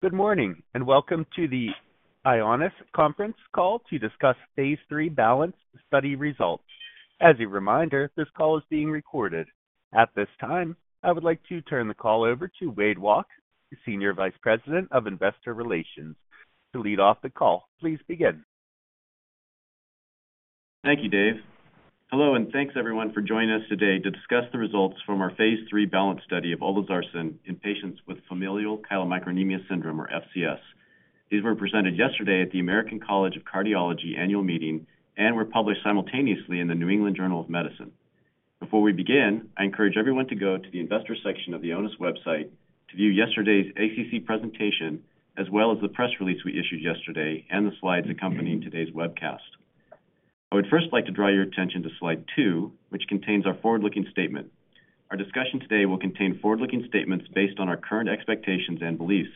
Good morning, and welcome to the Ionis conference call to discuss phase III BALANCE study results. As a reminder, this call is being recorded. At this time, I would like to turn the call over to Wade Walke, the Senior Vice President of Investor Relations. To lead off the call, please begin. Thank you, Dave. Hello, and thanks everyone for joining us today to discuss the results from our phase III BALANCE study of olezarsen in patients with familial chylomicronemia syndrome, or FCS. These were presented yesterday at the American College of Cardiology annual meeting and were published simultaneously in the New England Journal of Medicine. Before we begin, I encourage everyone to go to the investor section of the Ionis website to view yesterday's ACC presentation, as well as the press release we issued yesterday and the slides accompanying today's webcast. I would first like to draw your attention to slide two, which contains our forward-looking statement. Our discussion today will contain forward-looking statements based on our current expectations and beliefs.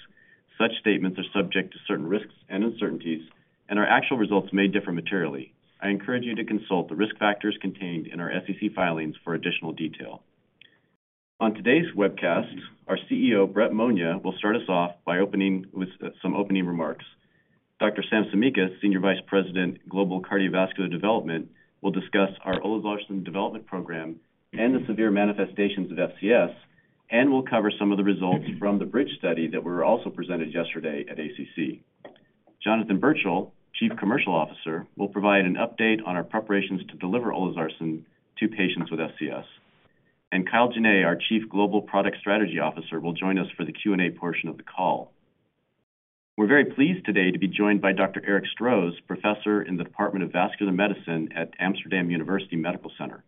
Such statements are subject to certain risks and uncertainties, and our actual results may differ materially. I encourage you to consult the risk factors contained in our SEC filings for additional detail. On today's webcast, our CEO, Brett Monia, will start us off by opening with some opening remarks. Dr. Sam Tsimikas, Senior Vice President, Global Cardiovascular Development, will discuss our olezarsen development program and the severe manifestations of FCS, and will cover some of the results from the BRIDGE study that were also presented yesterday at ACC. Jonathan Birchall, Chief Commercial Officer, will provide an update on our preparations to deliver olezarsen to patients with FCS. And Kyle Jenne, our Chief Global Product Strategy Officer, will join us for the Q&A portion of the call. We're very pleased today to be joined by Dr. Erik Stroes, Professor in the Department of Vascular Medicine at Amsterdam University Medical Centers.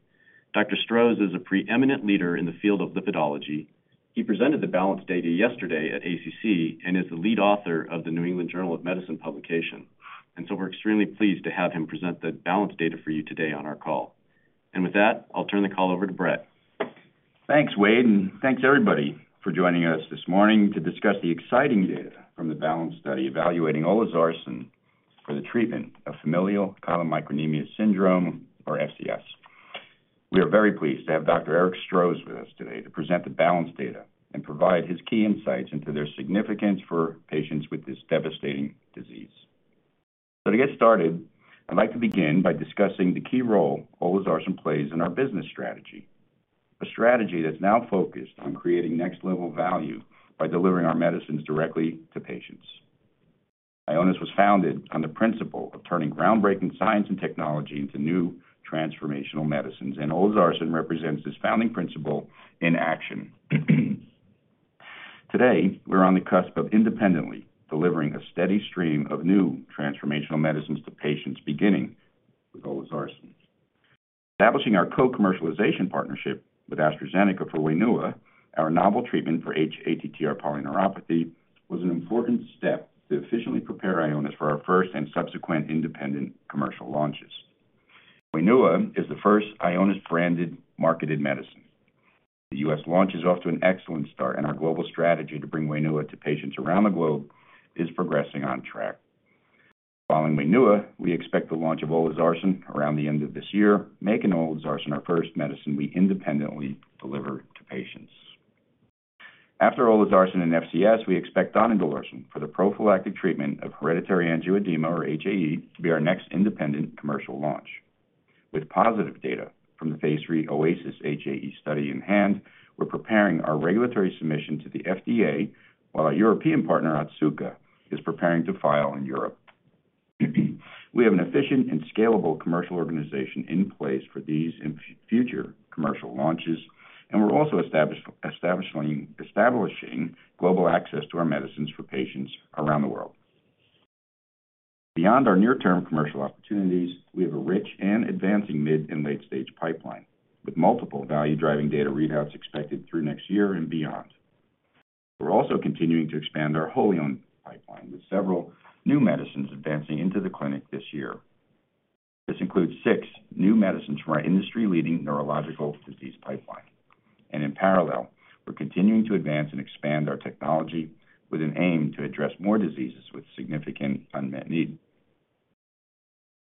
Dr. Stroes is a preeminent leader in the field of lipidology. He presented the BALANCE data yesterday at ACC and is the lead author of the New England Journal of Medicine publication. So we're extremely pleased to have him present the BALANCE data for you today on our call. With that, I'll turn the call over to Brett. Thanks, Wade, and thanks, everybody, for joining us this morning to discuss the exciting data from the BALANCE study, evaluating olezarsen for the treatment of familial chylomicronemia syndrome or FCS. We are very pleased to have Dr. Erik Stroes with us today to present the BALANCE data and provide his key insights into their significance for patients with this devastating disease. So to get started, I'd like to begin by discussing the key role olezarsen plays in our business strategy, a strategy that's now focused on creating next-level value by delivering our medicines directly to patients. Ionis was founded on the principle of turning groundbreaking science and technology into new transformational medicines, and olezarsen represents this founding principle in action. Today, we're on the cusp of independently delivering a steady stream of new transformational medicines to patients, beginning with olezarsen. Establishing our co-commercialization partnership with AstraZeneca for WAINUA, our novel treatment for hATTR-PN, was an important step to efficiently prepare Ionis for our first and subsequent independent commercial launches. WAINUA is the first Ionis-branded marketed medicine. The U.S. launch is off to an excellent start, and our global strategy to bring WAINUA to patients around the globe is progressing on track. Following WAINUA, we expect the launch of olezarsen around the end of this year, making olezarsen our first medicine we independently deliver to patients. After olezarsen and FCS, we expect donidalorsen for the prophylactic treatment of hereditary angioedema, or HAE, to be our next independent commercial launch. With positive data from the phase III OASIS HAE study in hand, we're preparing our regulatory submission to the FDA, while our European partner, Otsuka, is preparing to file in Europe. We have an efficient and scalable commercial organization in place for these and future commercial launches, and we're also establishing global access to our medicines for patients around the world. Beyond our near-term commercial opportunities, we have a rich and advancing mid and late-stage pipeline, with multiple value-driving data readouts expected through next year and beyond. We're also continuing to expand our wholly owned pipeline, with several new medicines advancing into the clinic this year. This includes six new medicines from our industry-leading neurological disease pipeline. And in parallel, we're continuing to advance and expand our technology with an aim to address more diseases with significant unmet need.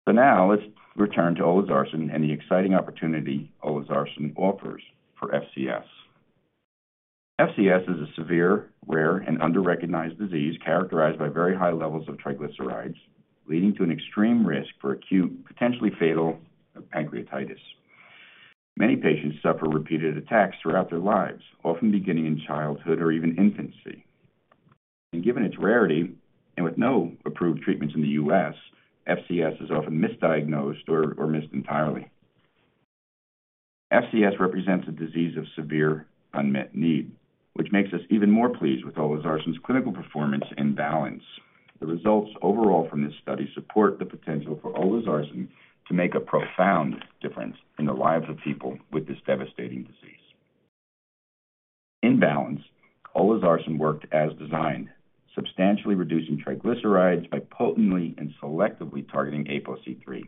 So now, let's return to olezarsen and the exciting opportunity olezarsen offers for FCS. FCS is a severe, rare, and under-recognized disease characterized by very high levels of triglycerides, leading to an extreme risk for acute, potentially fatal, pancreatitis. Many patients suffer repeated attacks throughout their lives, often beginning in childhood or even infancy. Given its rarity, and with no approved treatments in the U.S., FCS is often misdiagnosed or missed entirely. FCS represents a disease of severe unmet need, which makes us even more pleased with olezarsen's clinical performance and BALANCE. The results overall from this study support the potential for olezarsen to make a profound difference in the lives of people with this devastating disease. In BALANCE, olezarsen worked as designed, substantially reducing triglycerides by potently and selectively targeting APOC3.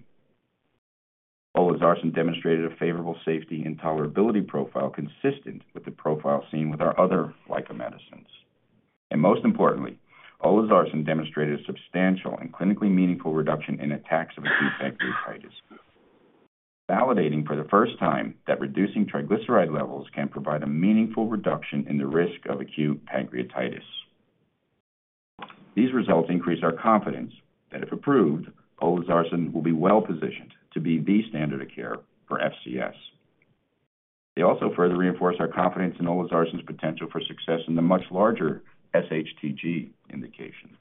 Olezarsen demonstrated a favorable safety and tolerability profile consistent with the profile seen with our other LICA medicines. And most importantly, olezarsen demonstrated a substantial and clinically meaningful reduction in attacks of acute pancreatitis. Validating for the first time that reducing triglyceride levels can provide a meaningful reduction in the risk of acute pancreatitis. These results increase our confidence that, if approved, olezarsen will be well positioned to be the standard of care for FCS. They also further reinforce our confidence in olezarsen's potential for success in the much larger sHTG indication.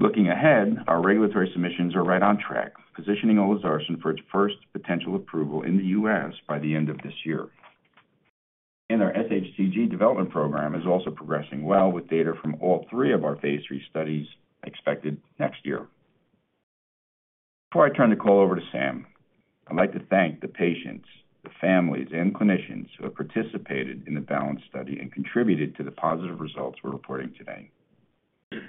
Looking ahead, our regulatory submissions are right on track, positioning olezarsen for its first potential approval in the U.S. by the end of this year. And our sHTG development program is also progressing well, with data from all three of our phase III studies expected next year. Before I turn the call over to Sam, I'd like to thank the patients, the families, and clinicians who have participated in the BALANCE study and contributed to the positive results we're reporting today.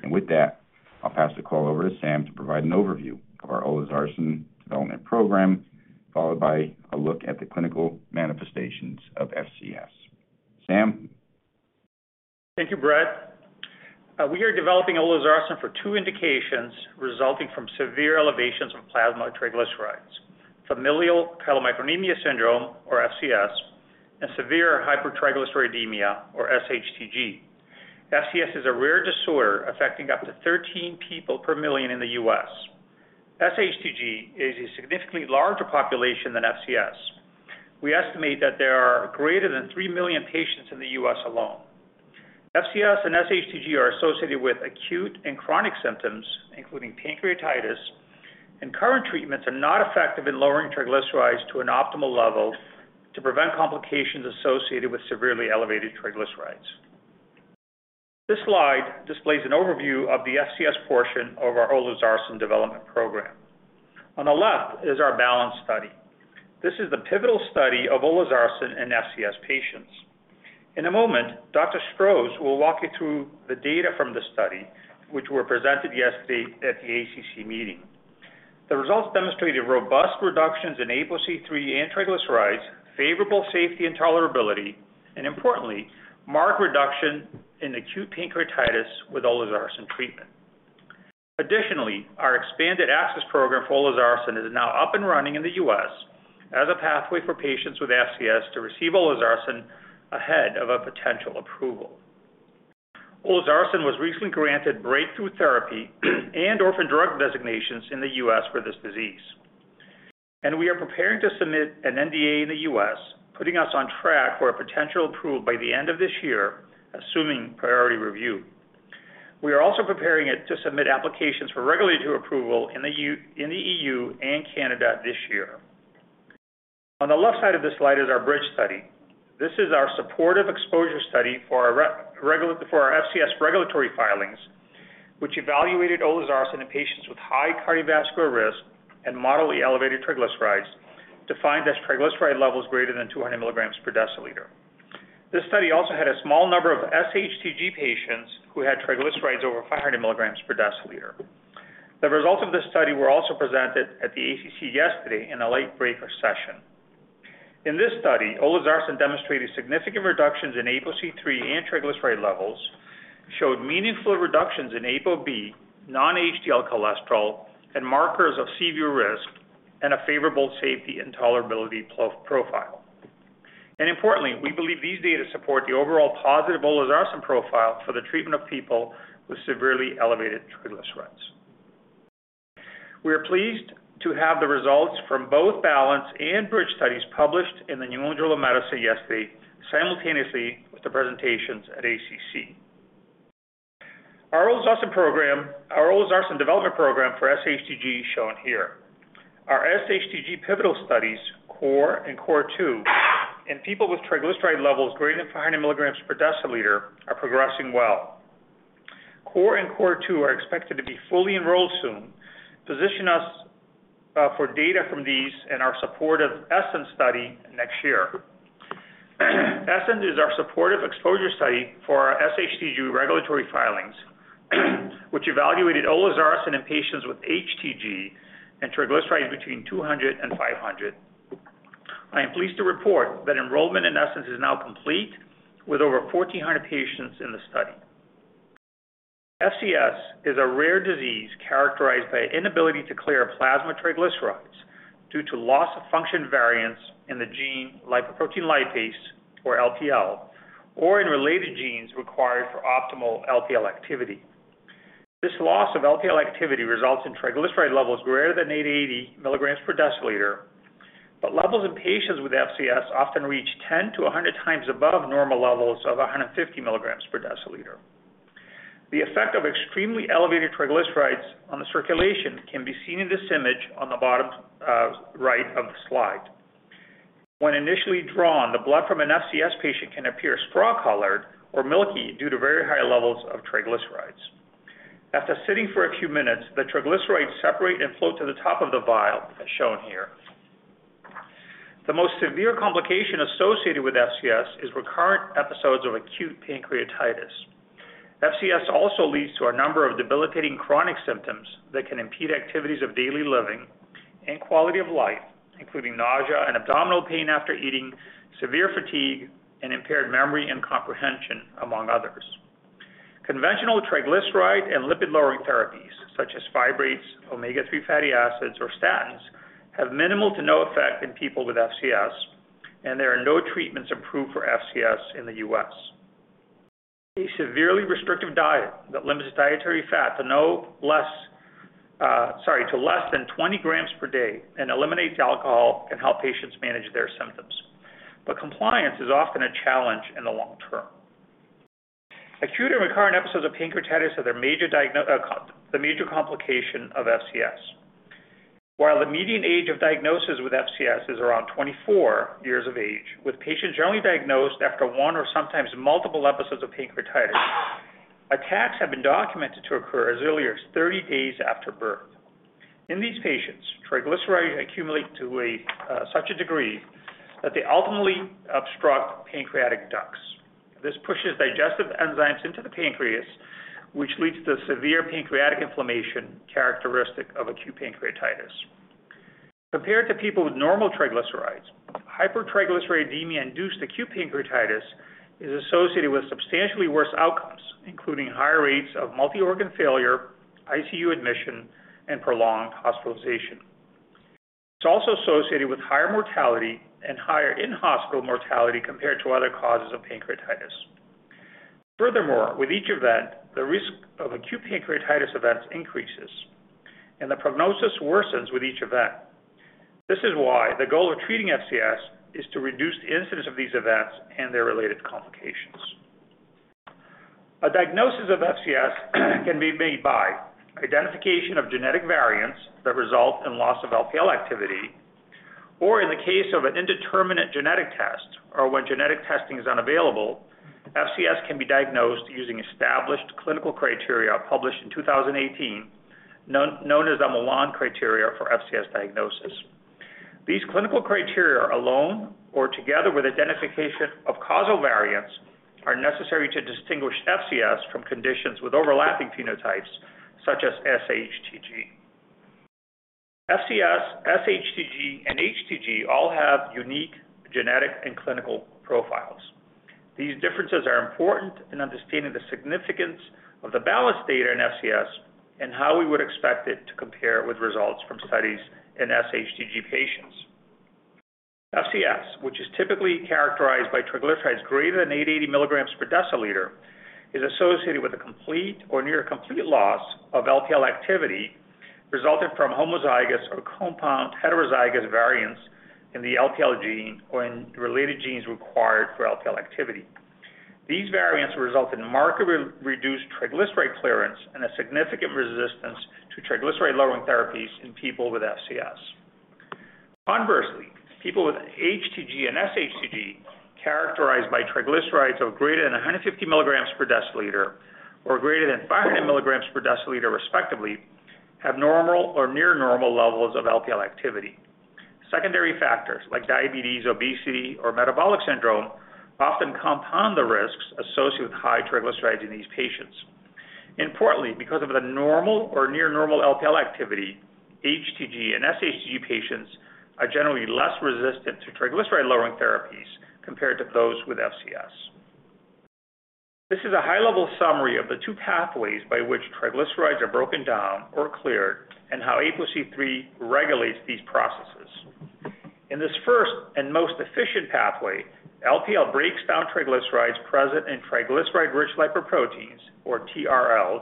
And with that, I'll pass the call over to Sam to provide an overview of our olezarsen development program, followed by a look at the clinical manifestations of FCS. Sam? Thank you, Brett. We are developing olezarsen for two indications resulting from severe elevations of plasma triglycerides: familial chylomicronemia syndrome, or FCS, and severe hypertriglyceridemia, or sHTG. FCS is a rare disorder affecting up to 13 people per million in the U.S. sHTG is a significantly larger population than FCS. We estimate that there are greater than three million patients in the U.S. alone. FCS and sHTG are associated with acute and chronic symptoms, including pancreatitis, and current treatments are not effective in lowering triglycerides to an optimal level to prevent complications associated with severely elevated triglycerides. This slide displays an overview of the FCS portion of our olezarsen development program. On the left is our BALANCE study. This is the pivotal study of olezarsen in FCS patients. In a moment, Dr. Stroes will walk you through the data from the study, which were presented yesterday at the ACC meeting. The results demonstrated robust reductions in ApoC-III and triglycerides, favorable safety and tolerability, and importantly, marked reduction in acute pancreatitis with olezarsen treatment. Additionally, our expanded access program for olezarsen is now up and running in the U.S. as a pathway for patients with FCS to receive olezarsen ahead of a potential approval. Olezarsen was recently granted breakthrough therapy and orphan drug designations in the U.S. for this disease, and we are preparing to submit an NDA in the U.S., putting us on track for a potential approval by the end of this year, assuming priority review. We are also preparing it to submit applications for regulatory approval in the EU and Canada this year. On the left side of this slide is our BRIDGE study. This is our supportive exposure study for our FCS regulatory filings, which evaluated olezarsen in patients with high cardiovascular risk and moderately elevated triglycerides, defined as triglyceride levels greater than 200 mg/dL. This study also had a small number of sHTG patients who had triglycerides over 500 mg/dL. The results of this study were also presented at the ACC yesterday in a late-breaker session. In this study, olezarsen demonstrated significant reductions in ApoC-III and triglyceride levels, showed meaningful reductions in ApoB, non-HDL cholesterol, and markers of CV risk, and a favorable safety and tolerability profile. Importantly, we believe these data support the overall positive olezarsen profile for the treatment of people with severely elevated triglycerides. We are pleased to have the results from both BALANCE and BRIDGE studies published in the New England Journal of Medicine yesterday, simultaneously with the presentations at ACC. Our olezarsen development program for sHTG is shown here. Our sHTG pivotal studies, CORE and CORE2, in people with triglyceride levels greater than 500 mg/dL, are progressing well. CORE and CORE2 are expected to be fully enrolled soon, position us for data from these in our supportive ESSENCE study next year. ESSENCE is our supportive exposure study for our sHTG regulatory filings, which evaluated olezarsen in patients with HTG and triglycerides between 200 mg/dL and 500 mg/dL. I am pleased to report that enrollment in ESSENCE is now complete, with over 1,400 patients in the study. FCS is a rare disease characterized by inability to clear plasma triglycerides due to loss-of-function variance in the gene lipoprotein lipase, or LPL, or in related genes required for optimal LPL activity. This loss of LPL activity results in triglyceride levels greater than 880 mg/dL, but levels in patients with FCS often reach 10-100 times above normal levels of 150 mg/dL. The effect of extremely elevated triglycerides on the circulation can be seen in this image on the bottom, right of the slide. When initially drawn, the blood from an FCS patient can appear straw-colored or milky due to very high levels of triglycerides. After sitting for a few minutes, the triglycerides separate and float to the top of the vial, as shown here. The most severe complication associated with FCS is recurrent episodes of acute pancreatitis. FCS also leads to a number of debilitating chronic symptoms that can impede activities of daily living and quality of life, including nausea and abdominal pain after eating, severe fatigue, and impaired memory and comprehension, among others. Conventional triglyceride and lipid-lowering therapies, such as fibrates, omega-3 fatty acids, or statins, have minimal to no effect in people with FCS, and there are no treatments approved for FCS in the U.S. A severely restrictive diet that limits dietary fat to less than 20 grams per day and eliminates alcohol can help patients manage their symptoms, but compliance is often a challenge in the long term. Acute and recurrent episodes of pancreatitis are the major complication of FCS. While the median age of diagnosis with FCS is around 24 years of age, with patients generally diagnosed after one or sometimes multiple episodes of pancreatitis, attacks have been documented to occur as early as 30 days after birth. In these patients, triglycerides accumulate to a, such a degree that they ultimately obstruct pancreatic ducts. This pushes digestive enzymes into the pancreas, which leads to severe pancreatic inflammation, characteristic of acute pancreatitis. Compared to people with normal triglycerides, hypertriglyceridemia-induced acute pancreatitis is associated with substantially worse outcomes, including higher rates of multi-organ failure, ICU admission, and prolonged hospitalization. It's also associated with higher mortality and higher in-hospital mortality compared to other causes of pancreatitis. Furthermore, with each event, the risk of acute pancreatitis events increases, and the prognosis worsens with each event. This is why the goal of treating FCS is to reduce the incidence of these events and their related complications. A diagnosis of FCS can be made by identification of genetic variants that result in loss of LPL activity, or in the case of an indeterminate genetic test or when genetic testing is unavailable, FCS can be diagnosed using established clinical criteria published in 2018, known as the Milan criteria for FCS diagnosis. These clinical criteria, alone or together with identification of causal variants, are necessary to distinguish FCS from conditions with overlapping phenotypes, such as sHTG. FCS, sHTG, and HTG all have unique genetic and clinical profiles. These differences are important in understanding the significance of the BALANCE data in FCS and how we would expect it to compare with results from studies in sHTG patients. FCS, which is typically characterized by triglycerides greater than 880 mg/dL, is associated with a complete or near complete loss of LPL activity, resulting from homozygous or compound heterozygous variants in the LPL gene or in related genes required for LPL activity. These variants result in markedly reduced triglyceride clearance and a significant resistance to triglyceride-lowering therapies in people with FCS. Conversely, people with HTG and sHTG, characterized by triglycerides of greater than 150 mg/dL or greater than 500 mg/dL, respectively, have normal or near normal levels of LPL activity. Secondary factors like diabetes, obesity, or metabolic syndrome often compound the risks associated with high triglycerides in these patients. Importantly, because of the normal or near normal LPL activity, HTG and sHTG patients are generally less resistant to triglyceride-lowering therapies compared to those with FCS. This is a high-level summary of the two pathways by which triglycerides are broken down or cleared, and how ApoC-III regulates these processes. In this first and most efficient pathway, LPL breaks down triglycerides present in triglyceride-rich lipoproteins, or TRLs,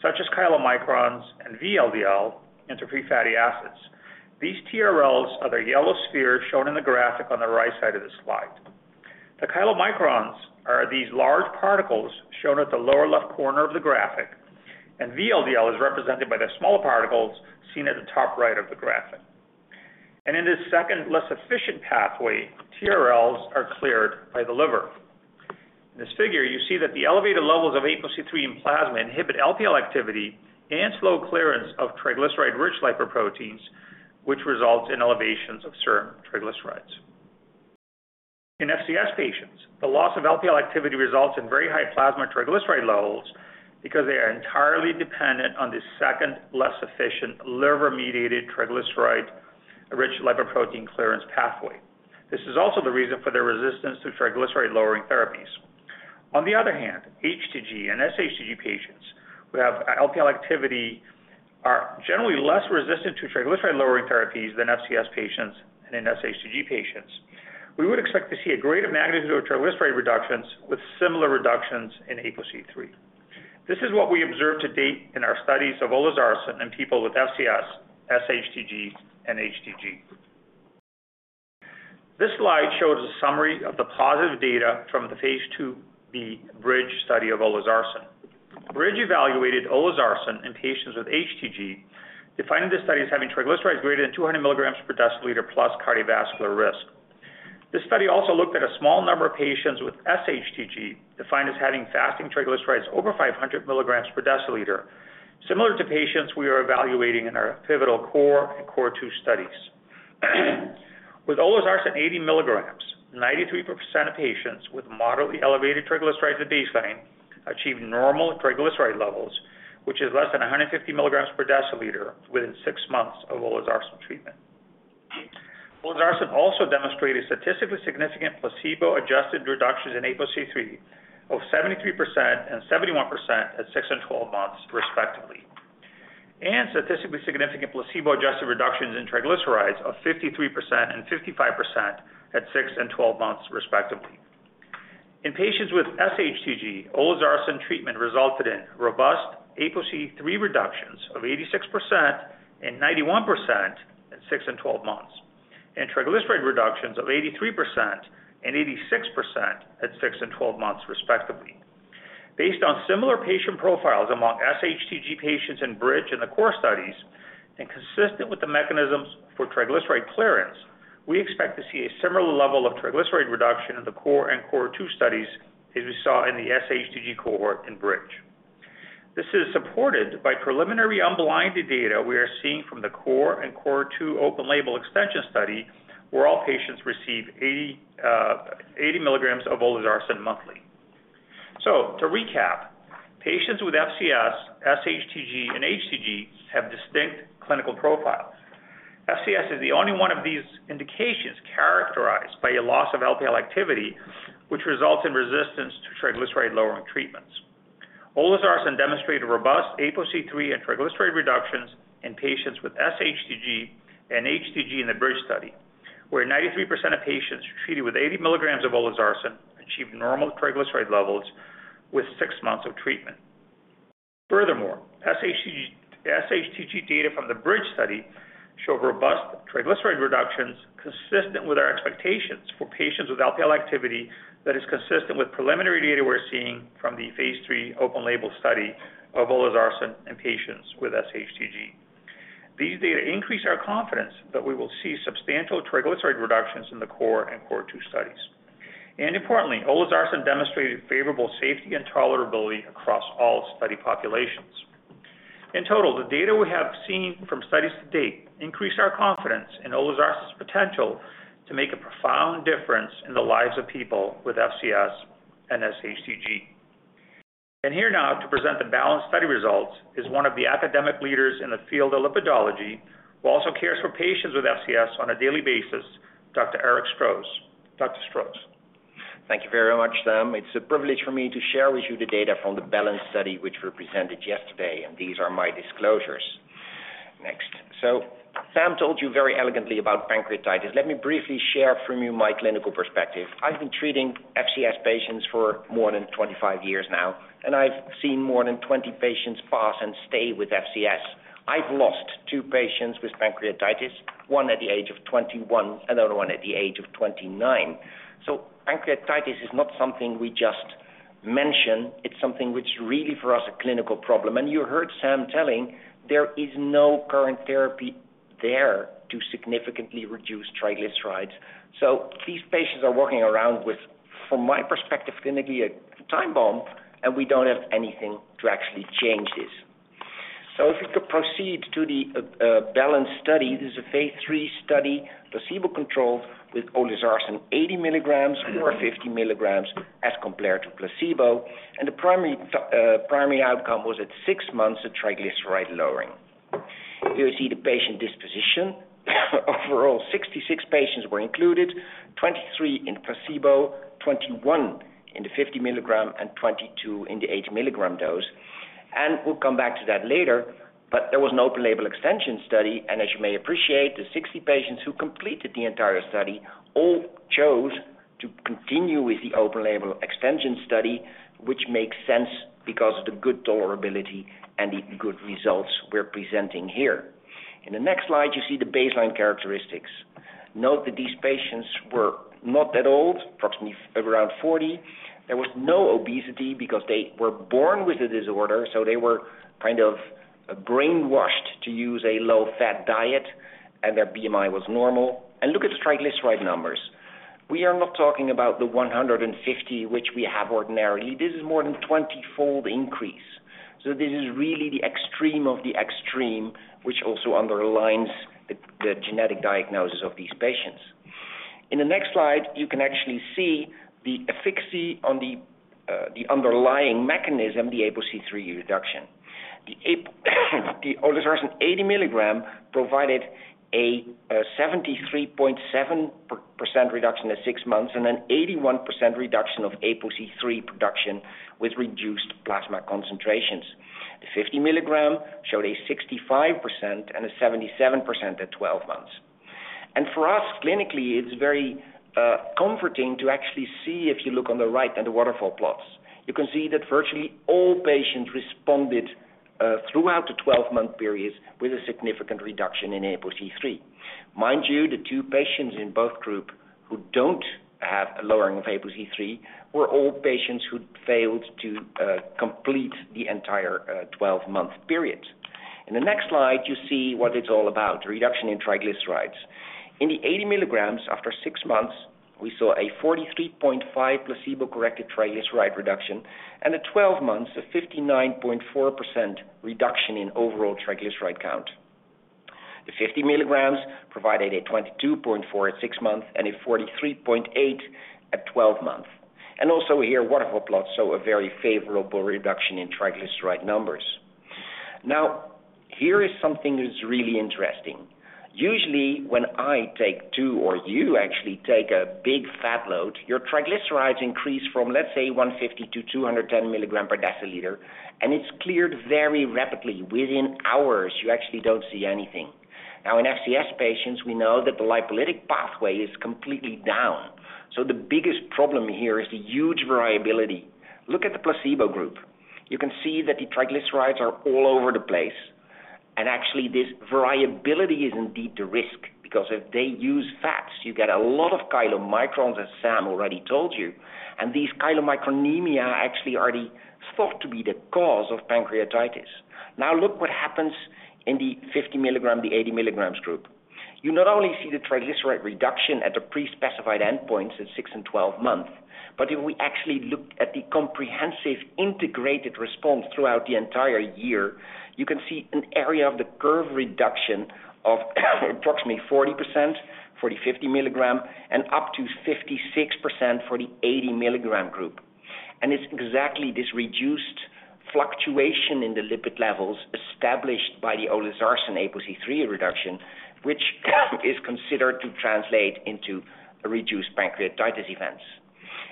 such as chylomicrons and VLDL into free fatty acids. These TRLs are the yellow spheres shown in the graphic on the right side of the slide. The chylomicrons are these large particles shown at the lower left corner of the graphic, and VLDL is represented by the smaller particles seen at the top right of the graphic. In this second less efficient pathway, TRLs are cleared by the liver. In this figure, you see that the elevated levels of ApoC-III in plasma inhibit LPL activity and slow clearance of triglyceride-rich lipoproteins, which results in elevations of serum triglycerides. In FCS patients, the loss of LPL activity results in very high plasma triglyceride levels because they are entirely dependent on the second, less efficient liver-mediated triglyceride-rich lipoprotein clearance pathway. This is also the reason for their resistance to triglyceride-lowering therapies. On the other hand, HTG and sHTG patients who have LPL activity are generally less resistant to triglyceride-lowering therapies than FCS patients and than sHTG patients. We would expect to see a greater magnitude of triglyceride reductions with similar reductions in ApoC-III. This is what we observed to date in our studies of olezarsen in people with FCS, sHTG, and HTG. This slide shows a summary of the positive data from the phase II-B BRIDGE study of olezarsen. BRIDGE evaluated olezarsen in patients with HTG, defining the studies having triglycerides greater than 200 mg/dL, plus cardiovascular risk. This study also looked at a small number of patients with sHTG, defined as having fasting triglycerides over 500 mg/dL. Similar to patients we are evaluating in our pivotal CORE and CORE2 studies. With olezarsen 80 mg, 93% of patients with moderately elevated triglycerides at baseline achieved normal triglyceride levels, which is less than 150 mg/dL within six months of olezarsen treatment. Olezarsen also demonstrated statistically significant placebo-adjusted reductions in ApoC-III of 73% and 71% at six and 12 months, respectively, and statistically significant placebo-adjusted reductions in triglycerides of 53% and 55% at six and 12 months, respectively. In patients with sHTG, olezarsen treatment resulted in robust ApoC-III reductions of 86% and 91% at six and 12 months, and triglyceride reductions of 83% and 86% at six and 12 months, respectively. Based on similar patient profiles among sHTG patients in BRIDGE and the CORE studies, and consistent with the mechanisms for triglyceride clearance, we expect to see a similar level of triglyceride reduction in the CORE and CORE2 studies as we saw in the sHTG cohort in BRIDGE. This is supported by preliminary unblinded data we are seeing from the CORE and CORE2 open label extension study, where all patients receive 80 mg of olezarsen monthly. So to recap, patients with FCS, sHTG, and HTG have distinct clinical profiles. FCS is the only one of these indications characterized by a loss of LPL activity, which results in resistance to triglyceride lowering treatments. Olezarsen demonstrated robust ApoC-III and triglyceride reductions in patients with sHTG and HTG in the BRIDGE study, where 93% of patients treated with 80 mg of olezarsen achieved normal triglyceride levels with six months of treatment. Furthermore, HTG, sHTG data from the BRIDGE study showed robust triglyceride reductions consistent with our expectations for patients with LPL activity that is consistent with preliminary data we're seeing from the phase III open label study of olezarsen in patients with sHTG. These data increase our confidence that we will see substantial triglyceride reductions in the CORE and CORE2 studies. Importantly, olezarsen demonstrated favorable safety and tolerability across all study populations. In total, the data we have seen from studies to date increase our confidence in olezarsen's potential to make a profound difference in the lives of people with FCS and sHTG. Here now to present the BALANCE study results is one of the academic leaders in the field of lipidology, who also cares for patients with FCS on a daily basis, Dr. Erik Stroes. Dr. Stroes. Thank you very much, Sam. It's a privilege for me to share with you the data from the BALANCE study, which we presented yesterday, and these are my disclosures. Next. So Sam told you very elegantly about pancreatitis. Let me briefly share with you my clinical perspective. I've been treating FCS patients for more than 25 years now, and I've seen more than 20 patients pass and stay with FCS. I've lost two patients with pancreatitis, one at the age of 21, another one at the age of 29. So pancreatitis is not something we just mention, it's something which really for us, a clinical problem. And you heard Sam telling there is no current therapy there to significantly reduce triglycerides. So these patients are walking around with, from my perspective, going to be a time bomb, and we don't have anything to actually change this. So if we could proceed to the BALANCE study. This is a phase III study, placebo controlled, with olezarsen 80 mg or 50 mg, as compared to placebo, and the primary outcome was at six months of triglyceride lowering. You see the patient disposition. Overall, 66 patients were included, 23 in placebo, 21 in the 50 mg, and 22 in the 80 mg dose. And we'll come back to that later. But there was an open label extension study, and as you may appreciate, the 60 patients who completed the entire study all chose to continue with the open label extension study, which makes sense because of the good tolerability and the good results we're presenting here. In the next slide, you see the baseline characteristics. Note that these patients were not that old, approximately around 40. There was no obesity because they were born with a disorder, so they were kind of brainwashed to use a low-fat diet, and their BMI was normal. And look at the triglyceride numbers. We are not talking about the 150, which we have ordinarily. This is more than 20-fold increase. So this is really the extreme of the extreme, which also underlines the genetic diagnosis of these patients. In the next slide, you can actually see the efficacy on the underlying mechanism, the ApoC-III reduction. The olezarsen 80 mg provided a 73.7% reduction at six months and an 81% reduction of ApoC-III production with reduced plasma concentrations. The 50 mg showed a 65% and a 77% at 12 months. For us, clinically, it's very comforting to actually see, if you look on the right, on the waterfall plots. You can see that virtually all patients responded throughout the 12-month periods with a significant reduction in ApoC-III. Mind you, the two patients in both group who don't have a lowering of ApoC-III were all patients who failed to complete the entire 12-month period. In the next slide, you see what it's all about, reduction in triglycerides. In the 80 mg, after six months, we saw a 43.5 placebo-corrected triglyceride reduction, and at 12 months, a 59.4% reduction in overall triglyceride count. The 50 mg provided a 22.4 at six months and a 43.8 at 12 months. And also here, waterfall plots show a very favorable reduction in triglyceride numbers. Now, here is something that's really interesting. Usually, when I take two or you actually take a big fat load, your triglycerides increase from, let's say, 150 mg/dL to 210 mg/dL, and it's cleared very rapidly. Within hours, you actually don't see anything. Now, in FCS patients, we know that the lipolytic pathway is completely down. So the biggest problem here is the huge variability. Look at the placebo group. You can see that the triglycerides are all over the place. And actually, this variability is indeed the risk because if they use fats, you get a lot of chylomicrons, as Sam already told you, and these chylomicronemia actually are thought to be the cause of pancreatitis. Now, look what happens in the 50 mg, the 80 mg group. You not only see the triglyceride reduction at the pre-specified endpoints at six and 12 months, but if we actually look at the comprehensive integrated response throughout the entire year, you can see an area of the curve reduction of approximately 40%, for the 50 mg, and up to 56% for the 80 mg group. And it's exactly this reduced fluctuation in the lipid levels established by the olezarsen ApoC-III reduction, which is considered to translate into a reduced pancreatitis events.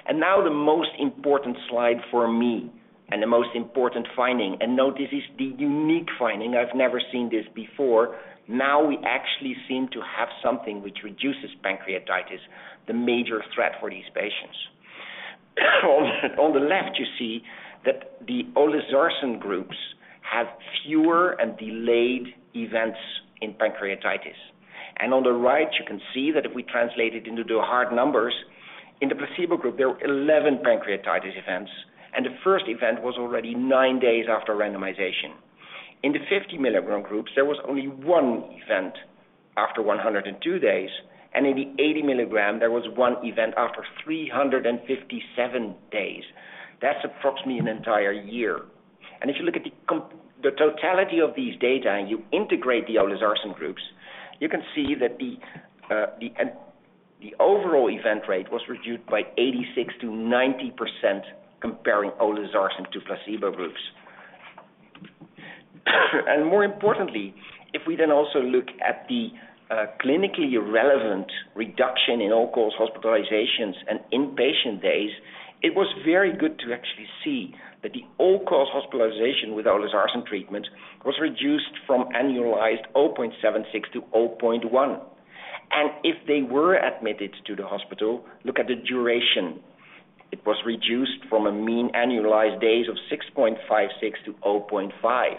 And now the most important slide for me and the most important finding, and note, this is the unique finding. I've never seen this before. Now we actually seem to have something which reduces pancreatitis, the major threat for these patients. On, on the left, you see that the olezarsen groups have fewer and delayed events in pancreatitis. On the right, you can see that if we translate it into the hard numbers, in the placebo group, there were 11 pancreatitis events, and the first event was already nine days after randomization. In the 50 mg groups, there was only one event after 102 days, and in the 80 mg, there was one event after 357 days. That's approximately an entire year. And if you look at the totality of these data and you integrate the olezarsen groups, you can see that the overall event rate was reduced by 86%-90%, comparing olezarsen to placebo groups. More importantly, if we then also look at the clinically relevant reduction in all-cause hospitalizations and inpatient days, it was very good to actually see that the all-cause hospitalization with olezarsen treatment was reduced from annualized 0.76 to 0.1. And if they were admitted to the hospital, look at the duration. It was reduced from a mean annualized days of 6.56 to 0.5.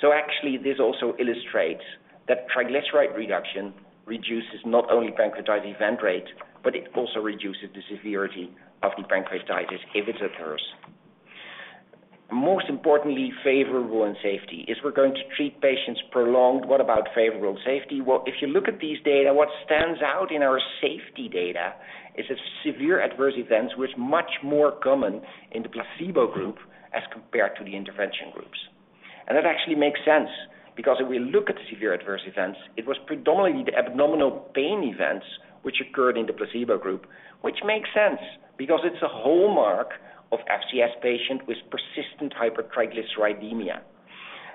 So actually, this also illustrates that triglyceride reduction reduces not only pancreatitis event rate, but it also reduces the severity of the pancreatitis if it occurs. Most importantly, favorable in safety. If we're going to treat patients prolonged, what about favorable safety? Well, if you look at these data, what stands out in our safety data is a severe adverse events, was much more common in the placebo group as compared to the intervention groups. That actually makes sense because if we look at the severe adverse events, it was predominantly the abdominal pain events which occurred in the placebo group, which makes sense because it's a hallmark of FCS patient with persistent hypertriglyceridemia.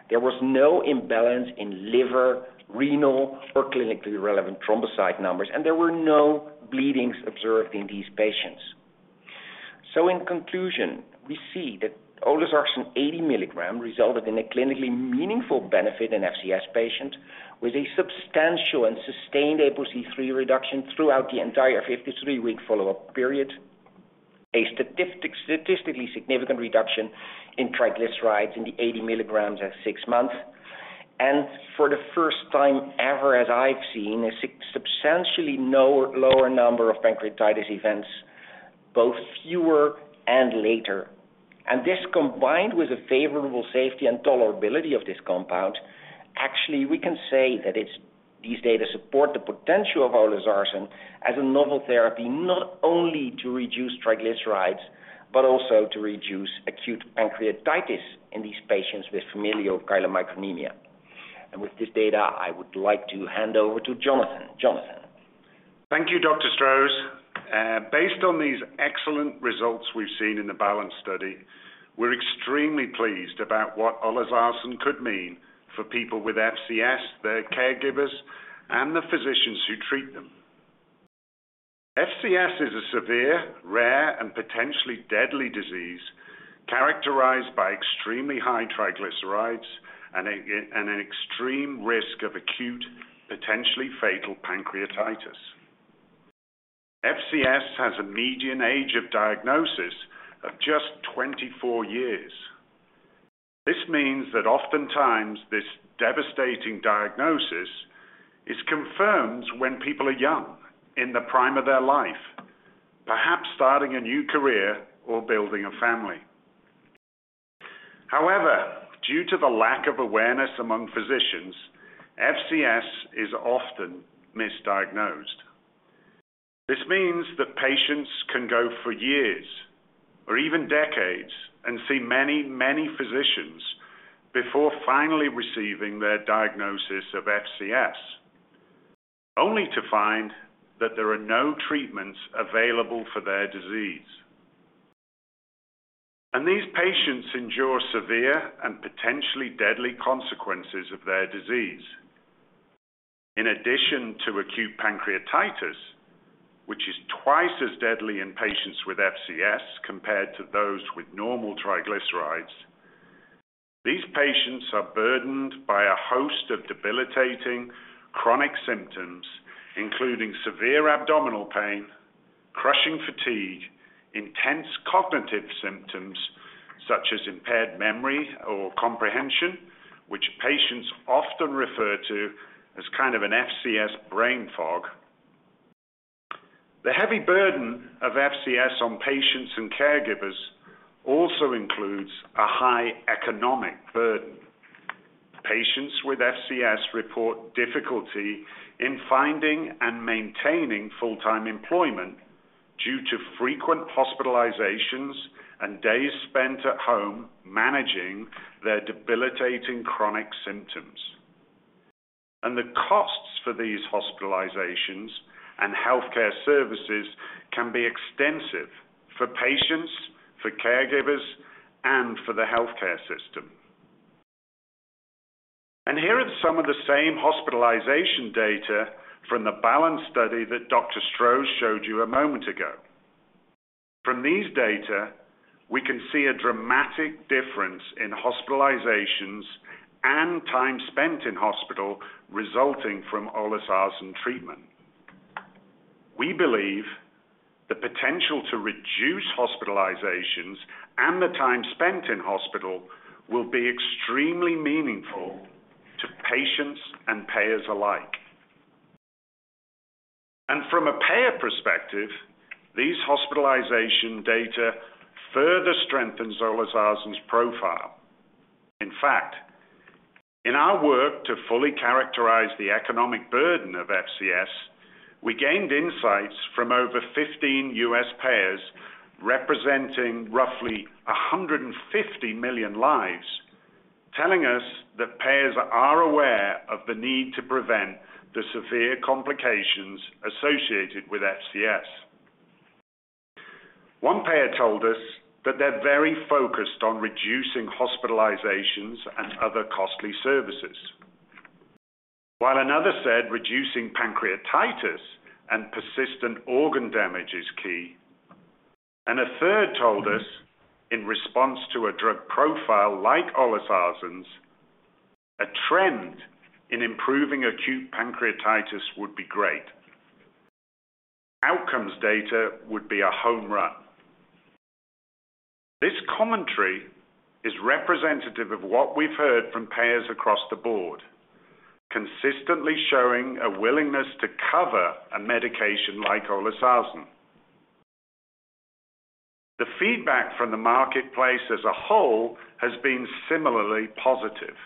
There was no imbalance in liver, renal, or clinically relevant thrombocyte numbers, and there were no bleedings observed in these patients. So in conclusion, we see that olezarsen 80 mg resulted in a clinically meaningful benefit in FCS patients with a substantial and sustained ApoC-III reduction throughout the entire 53-week follow-up period, a statistically significant reduction in triglycerides in the 80 mg at six months. And for the first time ever, as I've seen, a significantly lower number of pancreatitis events, both fewer and later. This combined with a favorable safety and tolerability of this compound, actually, we can say that it's these data support the potential of olezarsen as a novel therapy, not only to reduce triglycerides, but also to reduce acute pancreatitis in these patients with familial chylomicronemia. With this data, I would like to hand over to Jonathan. Jonathan? Thank you, Dr. Stroes. Based on these excellent results we've seen in the BALANCE study, we're extremely pleased about what olezarsen could mean for people with FCS, their caregivers, and the physicians who treat them. FCS is a severe, rare, and potentially deadly disease characterized by extremely high triglycerides and an extreme risk of acute, potentially fatal pancreatitis. FCS has a median age of diagnosis of just 24 years. This means that oftentimes this devastating diagnosis is confirmed when people are young, in the prime of their life, perhaps starting a new career or building a family. However, due to the lack of awareness among physicians, FCS is often misdiagnosed. This means that patients can go for years or even decades and see many, many physicians before finally receiving their diagnosis of FCS, only to find that there are no treatments available for their disease. These patients endure severe and potentially deadly consequences of their disease. In addition to acute pancreatitis, which is twice as deadly in patients with FCS compared to those with normal triglycerides, these patients are burdened by a host of debilitating chronic symptoms, including severe abdominal pain, crushing fatigue, intense cognitive symptoms, such as impaired memory or comprehension, which patients often refer to as kind of an FCS brain fog. The heavy burden of FCS on patients and caregivers also includes a high economic burden. Patients with FCS report difficulty in finding and maintaining full-time employment due to frequent hospitalizations and days spent at home managing their debilitating chronic symptoms. The costs for these hospitalizations and healthcare services can be extensive for patients, for caregivers, and for the healthcare system. Here are some of the same hospitalization data from the BALANCE study that Dr. Stroes showed you a moment ago. From these data, we can see a dramatic difference in hospitalizations and time spent in hospital resulting from olezarsen treatment. We believe the potential to reduce hospitalizations and the time spent in hospital will be extremely meaningful to patients and payers alike. From a payer perspective, these hospitalization data further strengthens olezarsen's profile. In fact, in our work to fully characterize the economic burden of FCS, we gained insights from over 15 U.S. payers, representing roughly 150 million lives, telling us that payers are aware of the need to prevent the severe complications associated with FCS. One payer told us that they're very focused on reducing hospitalizations and other costly services. While another said, "Reducing pancreatitis and persistent organ damage is key." And a third told us, "In response to a drug profile like olezarsen's, a trend in improving acute pancreatitis would be great. Outcomes data would be a home run." This commentary is representative of what we've heard from payers across the board, consistently showing a willingness to cover a medication like olezarsen. The feedback from the marketplace as a whole has been similarly positive.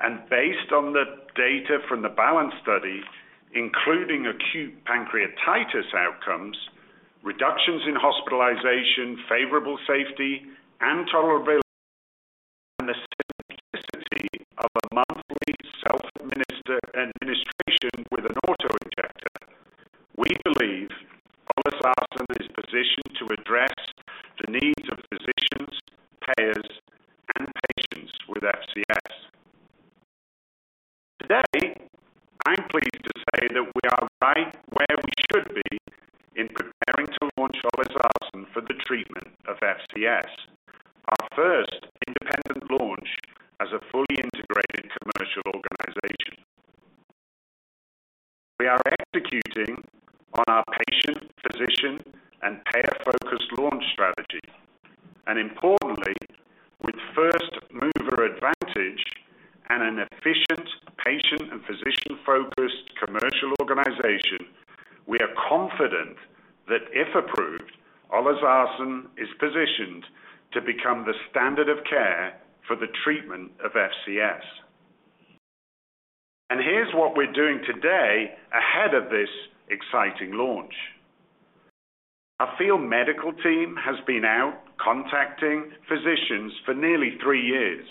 And based on the data from the BALANCE study, including acute pancreatitis outcomes, reductions in hospitalization, favorable safety, and tolerability, and the simplicity of a monthly self-administration with an auto-injector, we believe olezarsen is positioned to address the needs of physicians, payers, and patients with FCS. Today, I'm pleased to say that we are right where we should be in preparing to launch olezarsen for the treatment of FCS, our first independent launch as a fully integrated commercial organization. We are executing on our patient, physician, and payer-focused launch strategy. Importantly, with first mover advantage and an efficient patient and physician-focused commercial organization, we are confident that, if approved, olezarsen is positioned to become the standard of care for the treatment of FCS. Here's what we're doing today ahead of this exciting launch. Our field medical team has been out contacting physicians for nearly three years,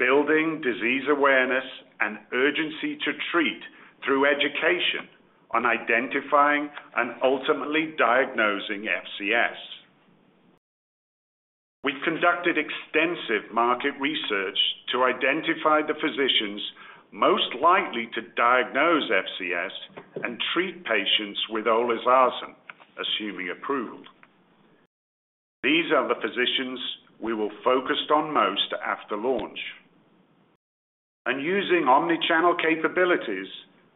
building disease awareness and urgency to treat through education on identifying and ultimately diagnosing FCS. We've conducted extensive market research to identify the physicians most likely to diagnose FCS and treat patients with olezarsen, assuming approval. These are the physicians we will focus on most after launch. Using omni-channel capabilities,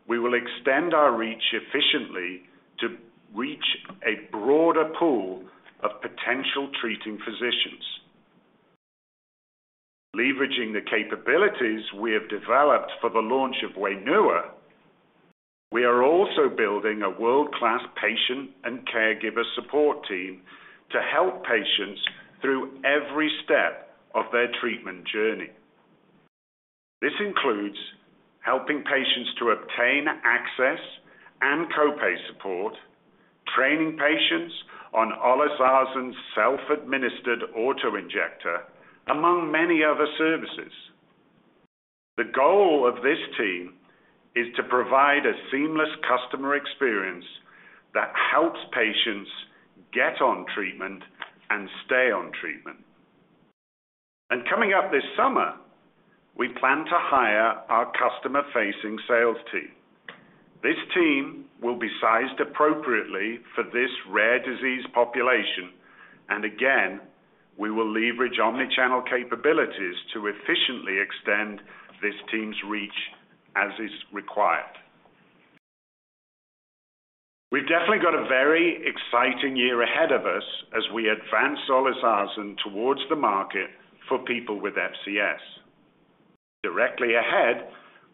we will extend our reach efficiently to reach a broader pool of potential treating physicians. Leveraging the capabilities we have developed for the launch of WAINUA, we are also building a world-class patient and caregiver support team to help patients through every step of their treatment journey. This includes helping patients to obtain access and copay support, training patients on olezarsen's self-administered auto-injector, among many other services. The goal of this team is to provide a seamless customer experience that helps patients get on treatment and stay on treatment. Coming up this summer, we plan to hire our customer-facing sales team. This team will be sized appropriately for this rare disease population, and again, we will leverage omni-channel capabilities to efficiently extend this team's reach as is required. We've definitely got a very exciting year ahead of us as we advance olezarsen towards the market for people with FCS. Directly ahead,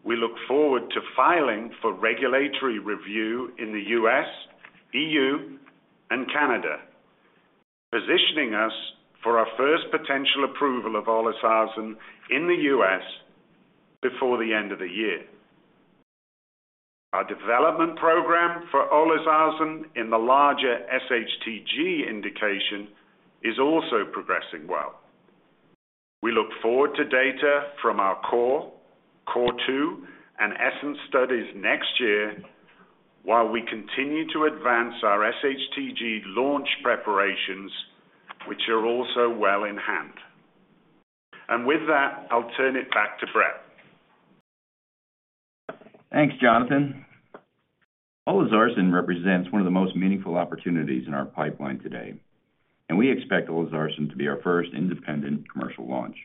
we look forward to filing for regulatory review in the U.S, E.U, and Canada, positioning us for our first potential approval of olezarsen in the U.S. before the end of the year. Our development program for olezarsen in the larger sHTG indication is also progressing well. We look forward to data from our CORE, CORE2, and ESSENCE studies next year, while we continue to advance our sHTG launch preparations, which are also well in hand. And with that, I'll turn it back to Brett. Thanks, Jonathan. Olezarsen represents one of the most meaningful opportunities in our pipeline today, and we expect olezarsen to be our first independent commercial launch.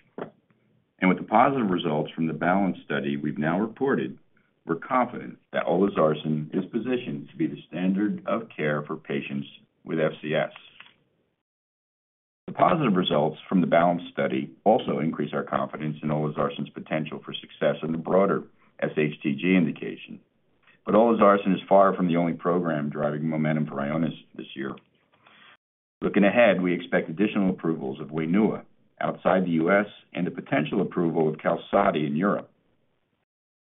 And with the positive results from the BALANCE study we've now reported, we're confident that olezarsen is positioned to be the standard of care for patients with FCS. The positive results from the BALANCE study also increase our confidence in olezarsen's potential for success in the broader sHTG indication. But olezarsen is far from the only program driving momentum for Ionis this year. Looking ahead, we expect additional approvals of WAINUA outside the U.S. and the potential approval of QALSODY in Europe.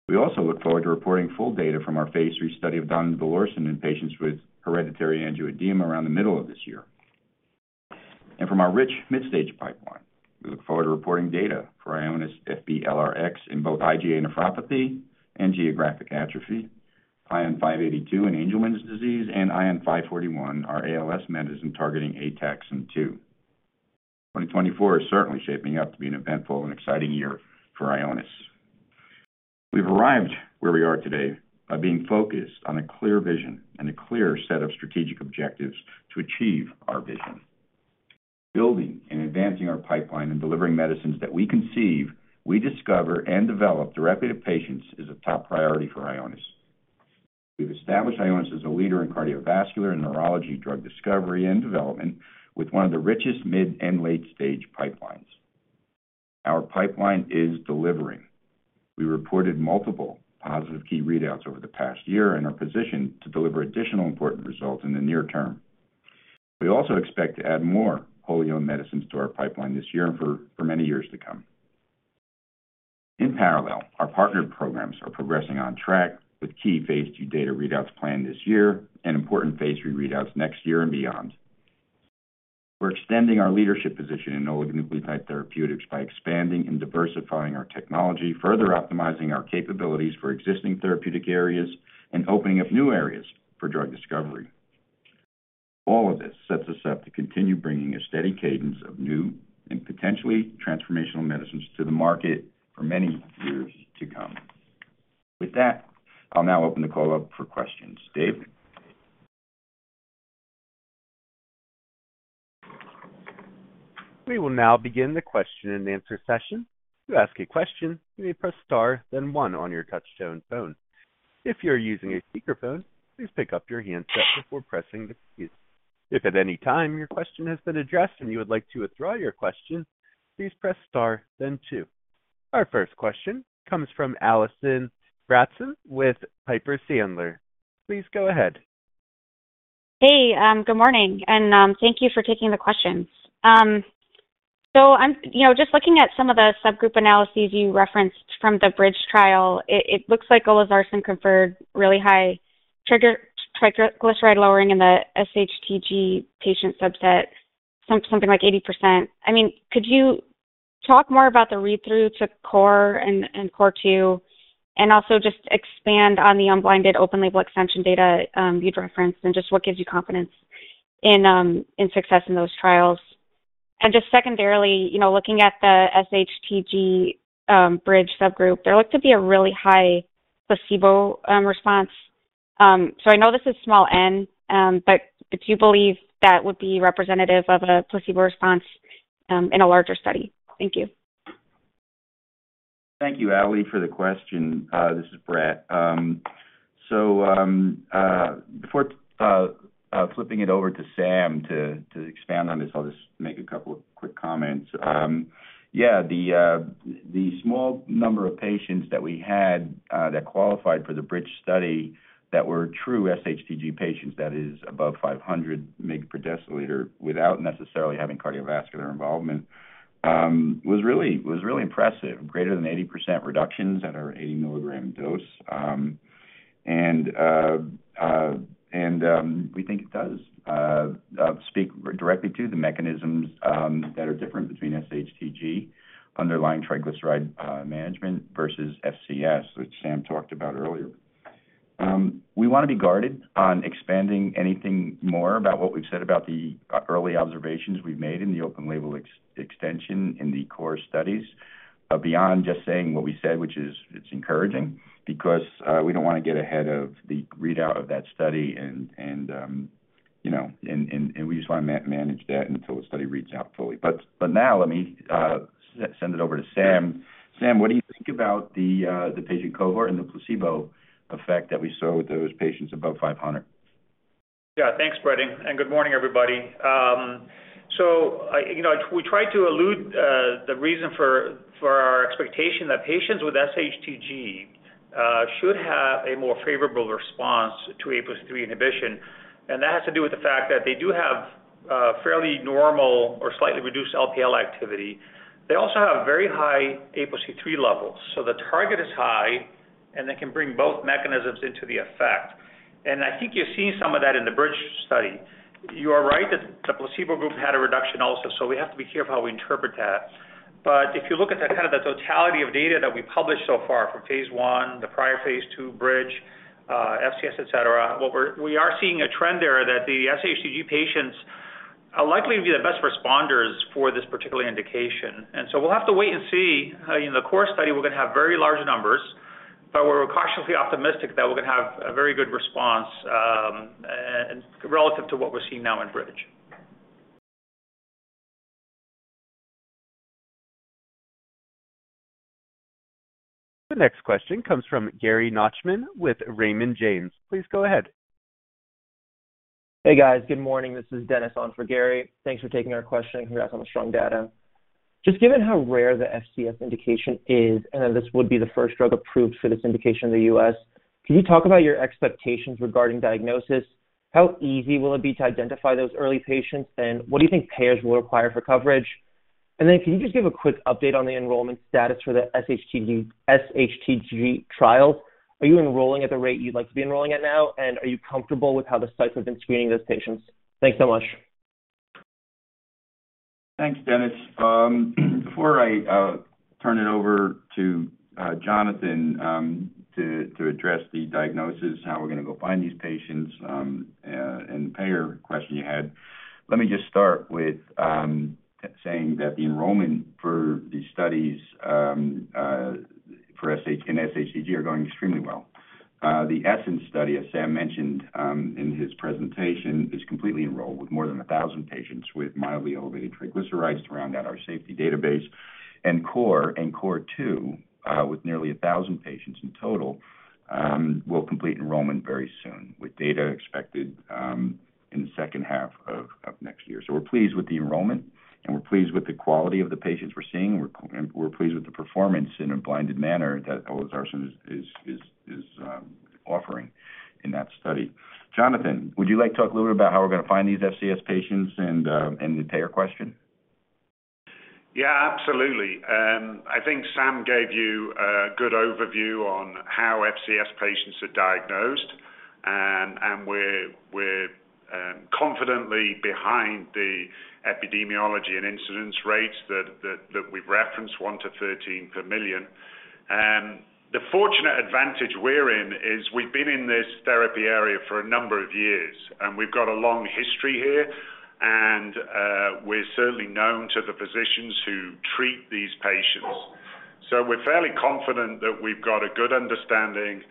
We also look forward to reporting full data from our phase III study of donidalorsen in patients with hereditary angioedema around the middle of this year. From our rich mid-stage pipeline, we look forward to reporting data for IONIS-FB-L Rx in both IgA nephropathy and geographic atrophy, ION582 in Angelman's disease, and ION541, our ALS medicine targeting ataxin-2. 2024 is certainly shaping up to be an eventful and exciting year for Ionis. We've arrived where we are today by being focused on a clear vision and a clear set of strategic objectives to achieve our vision. Building and advancing our pipeline and delivering medicines that we conceive, we discover and develop directly to patients is a top priority for Ionis. We've established Ionis as a leader in cardiovascular and neurology, drug discovery and development with one of the richest mid and late-stage pipelines. Our pipeline is delivering. We reported multiple positive key readouts over the past year and are positioned to deliver additional important results in the near term. We also expect to add more whole new medicines to our pipeline this year and for many years to come. In parallel, our partnered programs are progressing on track with key phase II data readouts planned this year and important phase III readouts next year and beyond. We're extending our leadership position in oligonucleotide therapeutics by expanding and diversifying our technology, further optimizing our capabilities for existing therapeutic areas and opening up new areas for drug discovery. All of this sets us up to continue bringing a steady cadence of new and potentially transformational medicines to the market for many years to come. With that, I'll now open the call up for questions. Dave? We will now begin the question-and-answer session. To ask a question, you may press star, then one on your touchtone phone. If you are using a speakerphone, please pick up your handset before pressing the key. If at any time your question has been addressed and you would like to withdraw your question, please press star then two. Our first question comes from Allison Bratzel with Piper Sandler. Please go ahead. Hey, good morning, and, thank you for taking the questions. So I'm, you know, just looking at some of the subgroup analyses you referenced from the BRIDGE trial. It looks like olezarsen conferred really high triglyceride lowering in the sHTG patient subset, something like 80%. I mean, could you talk more about the read-through to CORE and CORE2, and also just expand on the unblinded open label extension data you referenced, and just what gives you confidence in success in those trials? And just secondarily, you know, looking at the sHTG BRIDGE subgroup, there looked to be a really high placebo response. So I know this is small N, but do you believe that would be representative of a placebo response in a larger study? Thank you. Thank you, Ally, for the question. This is Brett. So, before flipping it over to Sam to expand on this, I'll just make a couple of quick comments. Yeah, the small number of patients that we had that qualified for the BRIDGE study, that were true sHTG patients, that is above 500 mg/dL, without necessarily having cardiovascular involvement, was really impressive, greater than 80% reductions at our 80 mg dose. And, we think it does speak directly to the mechanisms that are different between sHTG, underlying triglyceride management versus FCS, which Sam talked about earlier. We want to be guarded on expanding anything more about what we've said about the early observations we've made in the open label extension in the core studies, beyond just saying what we said, which is it's encouraging because we don't want to get ahead of the readout of that study and, you know, and we just want to manage that until the study reads out fully. But now let me send it over to Sam. Sam, what do you think about the patient cohort and the placebo effect that we saw with those patients above 500 mg/dL? Yeah, thanks, Brett, and good morning, everybody. So, you know, we tried to allude to the reason for our expectation that patients with sHTG should have a more favorable response to ApoC-III inhibition, and that has to do with the fact that they do have fairly normal or slightly reduced LPL activity. They also have very high ApoC-III levels, so the target is high, and they can bring both mechanisms into the effect. I think you're seeing some of that in the BRIDGE study. You are right that the placebo group had a reduction also, so we have to be careful how we interpret that. But if you look at the kind of the totality of data that we published so far, from phase I, the prior phase II, BRIDGE, FCS, et cetera, what we are seeing a trend there that the sHTG patients are likely to be the best responders for this particular indication. And so we'll have to wait and see. In the CORE study, we're going to have very large numbers, but we're cautiously optimistic that we're going to have a very good response, relative to what we're seeing now in BRIDGE. The next question comes from Gary Nachman with Raymond James. Please go ahead. Hey, guys. Good morning. This is Denis on for Gary. Thanks for taking our question. Congrats on the strong data. Just given how rare the FCS indication is, and this would be the first drug approved for this indication in the U.S., can you talk about your expectations regarding diagnosis? How easy will it be to identify those early patients, and what do you think payers will require for coverage? And then can you just give a quick update on the enrollment status for the sHTG, sHTG trials? Are you enrolling at the rate you'd like to be enrolling at now? And are you comfortable with how the sites have been screening those patients? Thanks so much. Thanks, Denis. Before I turn it over to Jonathan, to address the diagnosis, how we're going to go find these patients, and the payer question you had, let me just start with saying that the enrollment for the studies for sHTG are going extremely well. The ESSENCE study, as Sam mentioned, in his presentation, is completely enrolled with more than 1,000 patients with mildly elevated triglycerides to round out our safety database. And CORE, and CORE2, with nearly 1,000 patients in total, will complete enrollment very soon, with data expected in the second half of next year. So we're pleased with the enrollment, and we're pleased with the quality of the patients we're seeing, and we're pleased with the performance in a blinded manner that olezarsen is offering in that study. Jonathan, would you like to talk a little bit about how we're going to find these FCS patients and the payer question? Yeah, absolutely. I think Sam gave you a good overview on how FCS patients are diagnosed, and we're confidently behind the epidemiology and incidence rates that we've referenced, one to 13 per million. And the fortunate advantage we're in, is we've been in this therapy area for a number of years, and we've got a long history here, and we're certainly known to the physicians who treat these patients. So we're fairly confident that we've got a good understanding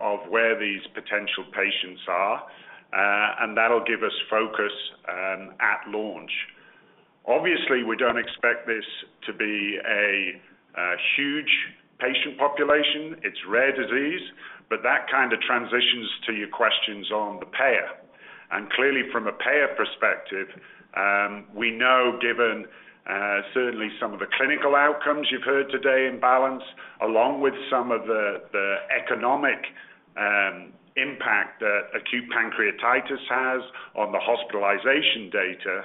of where these potential patients are, and that'll give us focus at launch. Obviously, we don't expect this to be a huge patient population. It's rare disease, but that kind of transitions to your questions on the payer. Clearly, from a payer perspective, we know, given certainly some of the clinical outcomes you've heard today in BALANCE, along with some of the economic impact that acute pancreatitis has on the hospitalization data,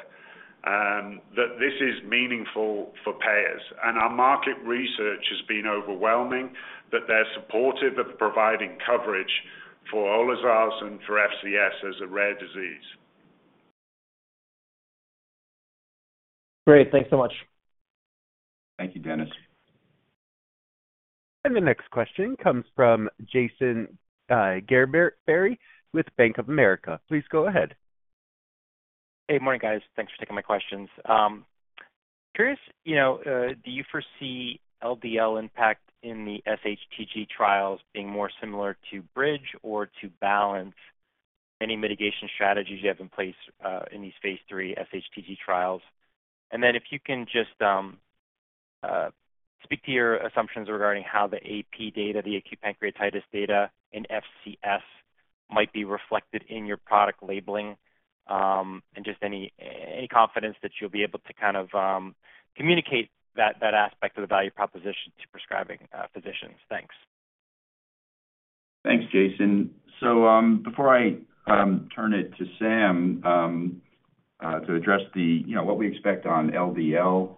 that this is meaningful for payers. Our market research has been overwhelming, that they're supportive of providing coverage for olezarsen and for FCS as a rare disease. Great. Thanks so much. Thank you, Dennis. The next question comes from Jason Gerberry with Bank of America. Please go ahead. Hey, good morning, guys. Thanks for taking my questions. Curious, you know, do you foresee LDL impact in the sHTG trials being more similar to BRIDGE or to BALANCE? Any mitigation strategies you have in place, in these phase III sHTG trials? And then if you can just, speak to your assumptions regarding how the AP data, the acute pancreatitis data in FCS might be reflected in your product labeling, and just any, any confidence that you'll be able to kind of, communicate that, that aspect of the value proposition to prescribing, physicians. Thanks. Thanks, Jason. So, before I turn it to Sam, to address the, you know, what we expect on LDL,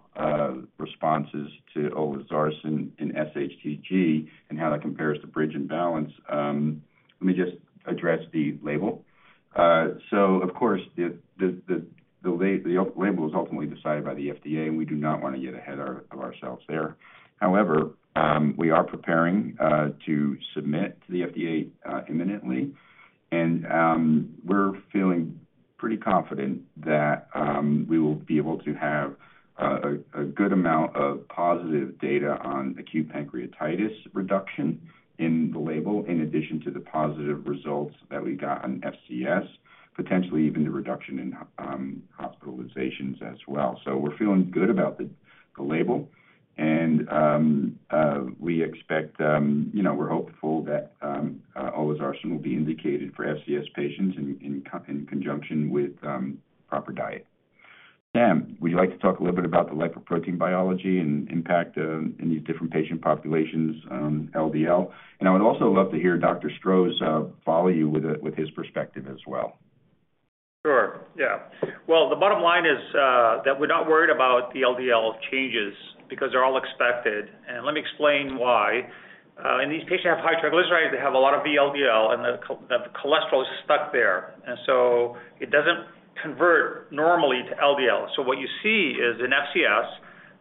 responses to olezarsen in sHTG and how that compares to BRIDGE and BALANCE, let me just address the label. So of course, the label is ultimately decided by the FDA, and we do not want to get ahead of ourselves there. However, we are preparing to submit to the FDA imminently. And, we're feeling pretty confident that we will be able to have a good amount of positive data on acute pancreatitis reduction in the label, in addition to the positive results that we got on FCS, potentially even the reduction in hospitalizations as well. So we're feeling good about the label. We expect, you know, we're hopeful that olezarsen will be indicated for FCS patients in conjunction with proper diet. Sam, would you like to talk a little bit about the lipoprotein biology and impact in these different patient populations on LDL? And I would also love to hear Dr. Stroes follow you with his perspective as well. Sure, yeah. Well, the bottom line is, that we're not worried about the LDL changes because they're all expected, and let me explain why. And these patients have high triglycerides, they have a lot of VLDL, and the cholesterol is stuck there, and so it doesn't convert normally to LDL. So what you see is in FCS,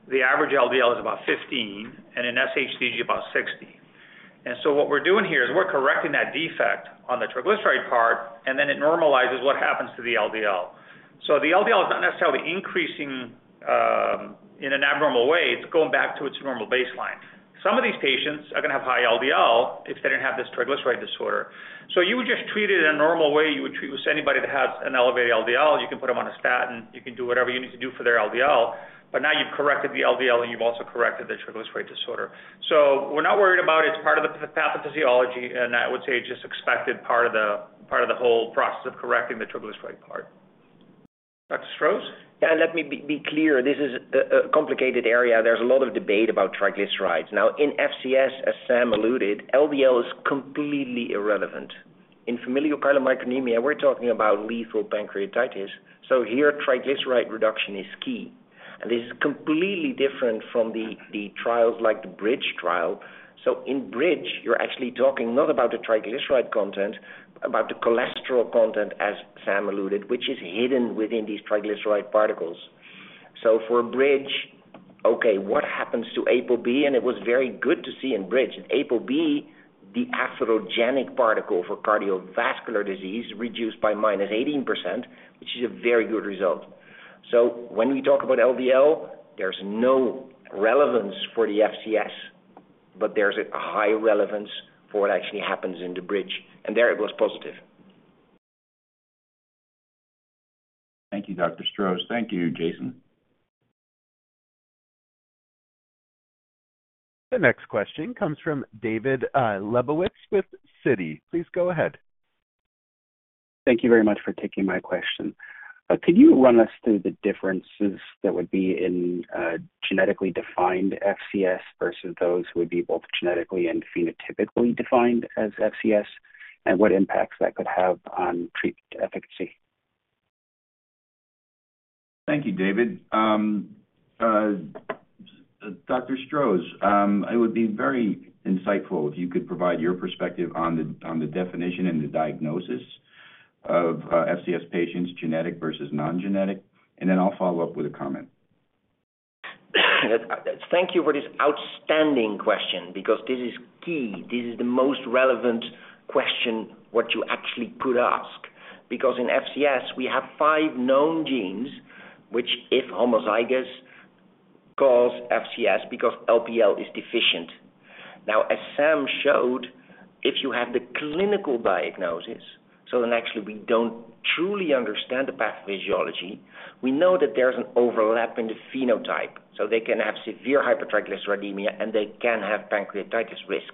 the average LDL is about 15, and in sHTG, about 60. And so what we're doing here is we're correcting that defect on the triglyceride part, and then it normalizes what happens to the LDL. So the LDL is not necessarily increasing, in an abnormal way, it's going back to its normal baseline. Some of these patients are going to have high LDL if they didn't have this triglyceride disorder. So you would just treat it in a normal way you would treat with anybody that has an elevated LDL. You can put them on a statin, you can do whatever you need to do for their LDL, but now you've corrected the LDL, and you've also corrected the triglyceride disorder. So we're not worried about it. It's part of the pathophysiology, and I would say just expected part of the, part of the whole process of correcting the triglyceride part. Dr. Stroes? Yeah, let me be clear. This is a complicated area. There's a lot of debate about triglycerides. Now, in FCS, as Sam alluded, LDL is completely irrelevant. In familial chylomicronemia, we're talking about lethal pancreatitis, so here, triglyceride reduction is key. And this is completely different from the trials like the BRIDGE trial. So in BRIDGE, you're actually talking not about the triglyceride content, about the cholesterol content, as Sam alluded, which is hidden within these triglyceride particles. So for BRIDGE, okay, what happens to ApoB? And it was very good to see in BRIDGE, that ApoB, the atherogenic particle for cardiovascular disease, reduced by -18%, which is a very good result. So when we talk about LDL, there's no relevance for the FCS, but there's a high relevance for what actually happens in the BRIDGE, and there it was positive. Thank you, Dr. Stroes. Thank you, Jason. The next question comes from David Lebowitz with Citi. Please go ahead. Thank you very much for taking my question. Could you run us through the differences that would be in genetically defined FCS versus those who would be both genetically and phenotypically defined as FCS, and what impacts that could have on treatment efficacy? Thank you, David. Dr. Stroes, it would be very insightful if you could provide your perspective on the definition and the diagnosis of FCS patients, genetic versus non-genetic, and then I'll follow up with a comment. Thank you for this outstanding question because this is key. This is the most relevant question that you actually could ask. Because in FCS, we have five known genes, which, if homozygous, cause FCS because LPL is deficient. Now, as Sam showed, if you have the clinical diagnosis, so then actually we don't truly understand the pathophysiology, we know that there's an overlap in the phenotype. So they can have severe hypertriglyceridemia, and they can have pancreatitis risk.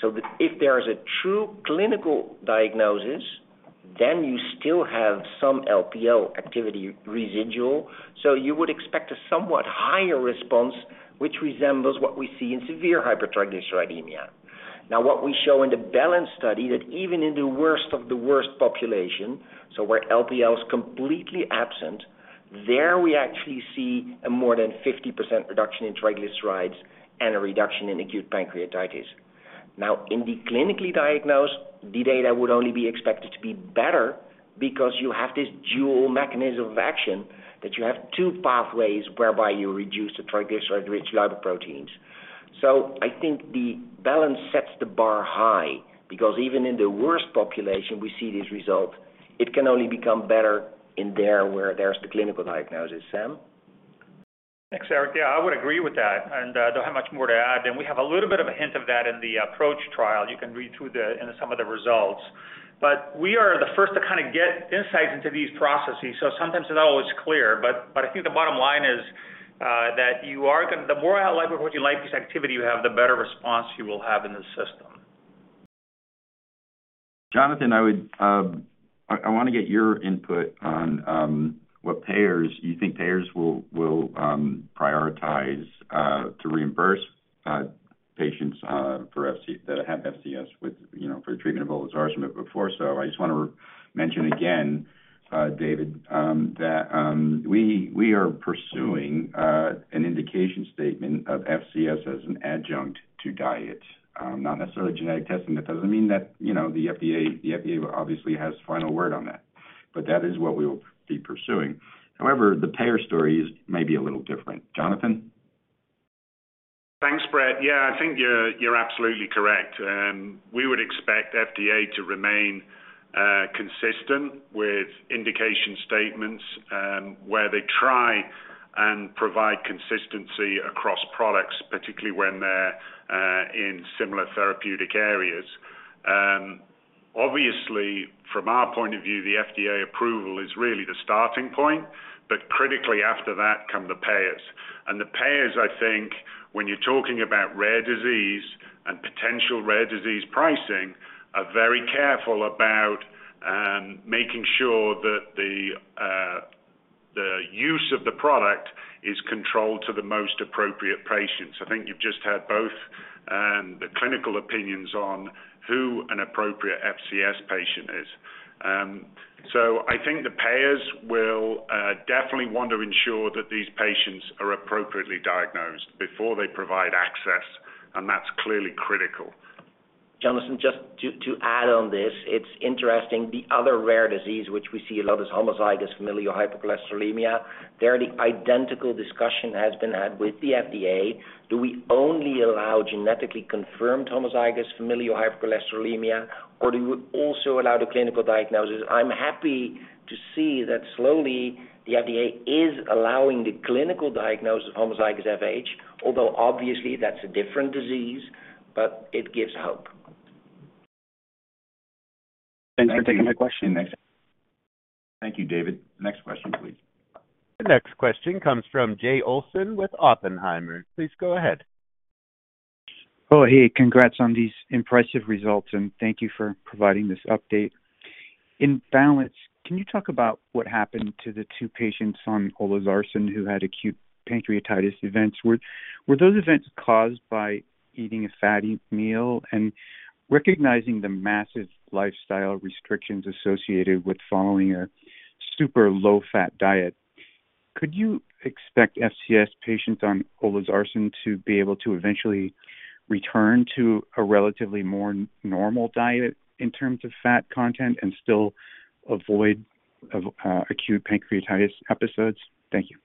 So if there is a true clinical diagnosis, then you still have some LPL activity residual, so you would expect a somewhat higher response, which resembles what we see in severe hypertriglyceridemia. Now, what we show in the BALANCE study, that even in the worst of the worst population, so where LPL is completely absent, there we actually see a more than 50% reduction in triglycerides and a reduction in acute pancreatitis. Now, in the clinically diagnosed, the data would only be expected to be better because you have this dual mechanism of action, that you have two pathways whereby you reduce the triglyceride-rich lipoproteins. So I think the BALANCE sets the bar high because even in the worst population, we see this result. It can only become better in there where there's the clinical diagnosis. Sam? Thanks, Eric. Yeah, I would agree with that, and don't have much more to add. We have a little bit of a hint of that in the APPROACH trial. You can read through the in some of the results. But we are the first to kind of get insights into these processes, so sometimes it's not always clear. But I think the bottom line is that the more lipoprotein lipase activity you have, the better response you will have in the system. Jonathan, I would, I want to get your input on what payers you think payers will prioritize to reimburse FCS patients for FC that have FCS with, you know, for treatment of olezarsen before. So I just want to mention again, David, that we are pursuing an indication statement of FCS as an adjunct to diet, not necessarily genetic testing. That doesn't mean that, you know, the FDA obviously has final word on that, but that is what we will be pursuing. However, the payer story is maybe a little different. Jonathan? Thanks, Brett. Yeah, I think you're absolutely correct. We would expect FDA to remain consistent with indication statements, where they try and provide consistency across products, particularly when they're in similar therapeutic areas. Obviously, from our point of view, the FDA approval is really the starting point, but critically after that come the payers. The payers, I think, when you're talking about rare disease and potential rare disease pricing, are very careful about making sure that the use of the product is controlled to the most appropriate patients. I think you've just had both the clinical opinions on who an appropriate FCS patient is. I think the payers will definitely want to ensure that these patients are appropriately diagnosed before they provide access, and that's clearly critical. Jonathan, just to add on this, it's interesting. The other rare disease, which we see a lot, is homozygous familial hypercholesterolemia. There, the identical discussion has been had with the FDA. Do we only allow genetically confirmed homozygous familial hypercholesterolemia, or do we also allow the clinical diagnosis? I'm happy to see that slowly the FDA is allowing the clinical diagnosis of homozygous FH, although obviously that's a different disease, but it gives hope. Thanks for taking the question. Thank you, David. Next question, please. The next question comes from Jay Olson with Oppenheimer. Please go ahead. Oh, hey, congrats on these impressive results, and thank you for providing this update. In BALANCE, can you talk about what happened to the two patients on olezarsen who had acute pancreatitis events? Were those events caused by eating a fatty meal? And recognizing the massive lifestyle restrictions associated with following a super low-fat diet, could you expect FCS patients on olezarsen to be able to eventually return to a relatively more normal diet in terms of fat content and still avoid acute pancreatitis episodes? Thank you.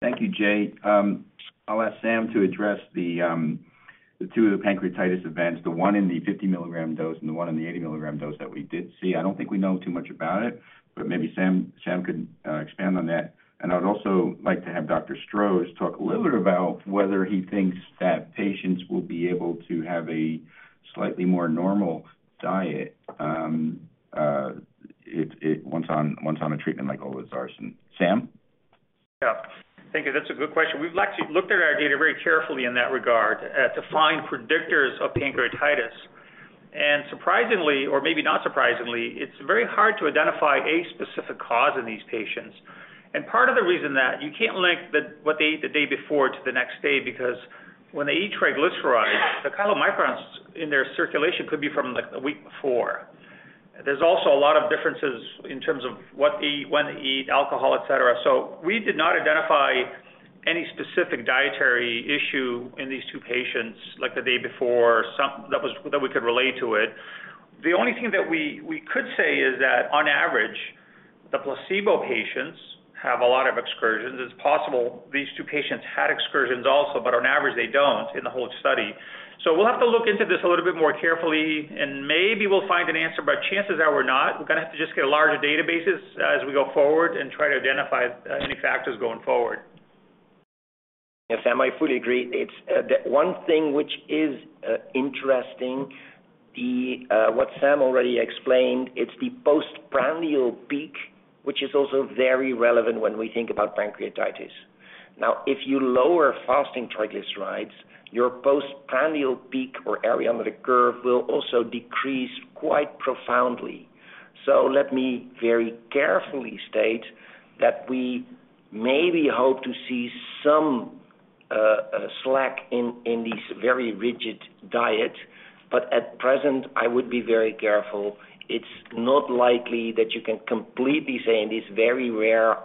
Thank you, Jay. I'll ask Sam to address the two pancreatitis events, the one in the 50 mg dose and the one in the 80 mg dose that we did see. I don't think we know too much about it, but maybe Sam, Sam could expand on that. And I'd also like to have Dr. Stroes talk a little bit about whether he thinks that patients will be able to have a slightly more normal diet once on a treatment like olezarsen. Sam? Yeah. Thank you. That's a good question. We've actually looked at our data very carefully in that regard to find predictors of pancreatitis. And surprisingly, or maybe not surprisingly, it's very hard to identify a specific cause in these patients. And part of the reason that you can't link what they ate the day before to the next day, because when they eat triglycerides, the chylomicrons in their circulation could be from, like, the week before. There's also a lot of differences in terms of what they eat, when they eat alcohol, et cetera. So we did not identify any specific dietary issue in these two patients, like the day before, that we could relate to it. The only thing that we could say is that on average, the placebo patients have a lot of excursions. It's possible these two patients had excursions also, but on average, they don't in the whole study. We'll have to look into this a little bit more carefully, and maybe we'll find an answer, but chances are we're not. We're going to have to just get larger databases as we go forward and try to identify any factors going forward. Yes, Sam, I fully agree. It's the one thing which is interesting, the what Sam already explained, it's the postprandial peak, which is also very relevant when we think about pancreatitis. Now, if you lower fasting triglycerides, your postprandial peak or area under the curve will also decrease quite profoundly. So let me very carefully state that we maybe hope to see some slack in this very rigid diet, but at present, I would be very careful. It's not likely that you can completely say in these very rare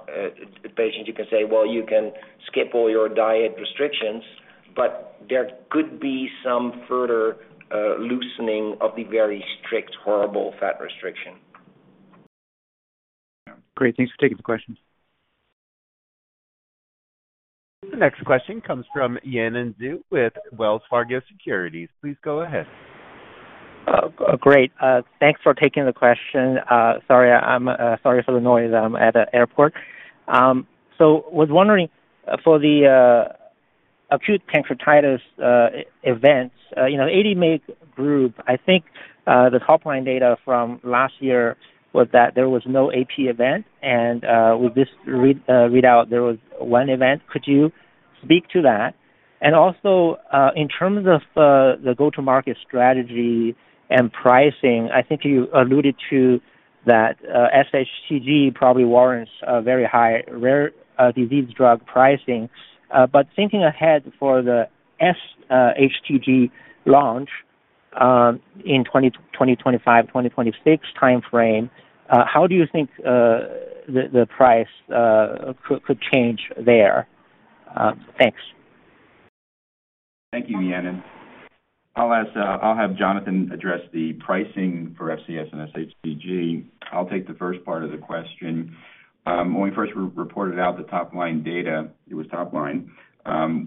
patients, you can say, "Well, you can skip all your diet restrictions," but there could be some further loosening of the very strict, horrible fat restriction. Great. Thanks for taking the question. The next question comes from Yanan Zhu with Wells Fargo Securities. Please go ahead. Great. Thanks for taking the question. Sorry, I'm sorry for the noise. I'm at an airport. So was wondering, for the acute pancreatitis events, you know, 80 mg group, I think the top line data from last year was that there was no AP event, and with this read out, there was one event. Could you speak to that? And also, in terms of the go-to-market strategy and pricing, I think you alluded to that sHTG probably warrants a very high rare disease drug pricing. But thinking ahead for the sHTG launch in 2025, 2026 timeframe, how do you think the price could change there? Thanks. Thank you, Yanan. I'll ask, I'll have Jonathan address the pricing for FCS and sHTG. I'll take the first part of the question. When we first re-reported out the top line data, it was top line,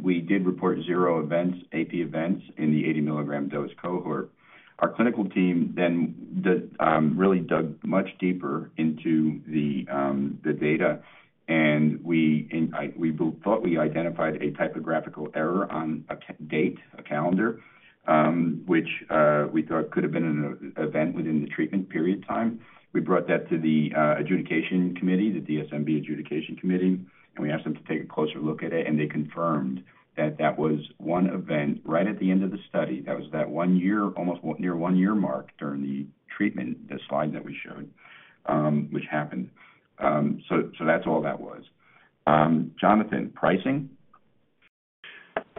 we did report zero events, AP events, in the 80 mg dose cohort. Our clinical team then really dug much deeper into the data, and we thought we identified a typographical error on a calendar date, which we thought could have been an event within the treatment period time. We brought that to the adjudication committee, the DSMB adjudication committee, and we asked them to take a closer look at it, and they confirmed that that was one event right at the end of the study. That was that one year, almost one, near one year mark during the treatment, the slide that we showed, which happened. So that's all that was. Jonathan, pricing?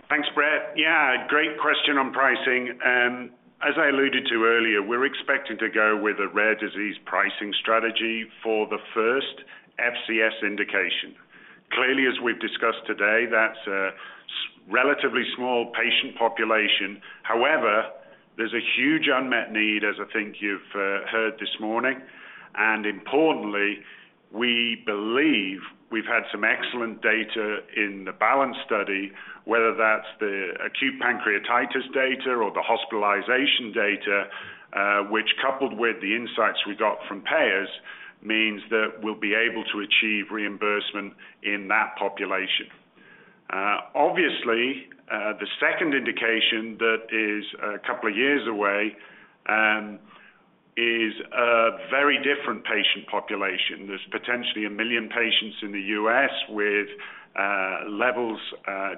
Thanks, Brett. Yeah, great question on pricing. As I alluded to earlier, we're expecting to go with a rare disease pricing strategy for the first FCS indication. Clearly, as we've discussed today, that's a relatively small patient population. However, there's a huge unmet need, as I think you've heard this morning. And importantly, we believe we've had some excellent data in the BALANCE study, whether that's the acute pancreatitis data or the hospitalization data, which coupled with the insights we got from payers, means that we'll be able to achieve reimbursement in that population. Obviously, the second indication that is a couple of years away is a very different patient population. There's potentially one million patients in the U.S. with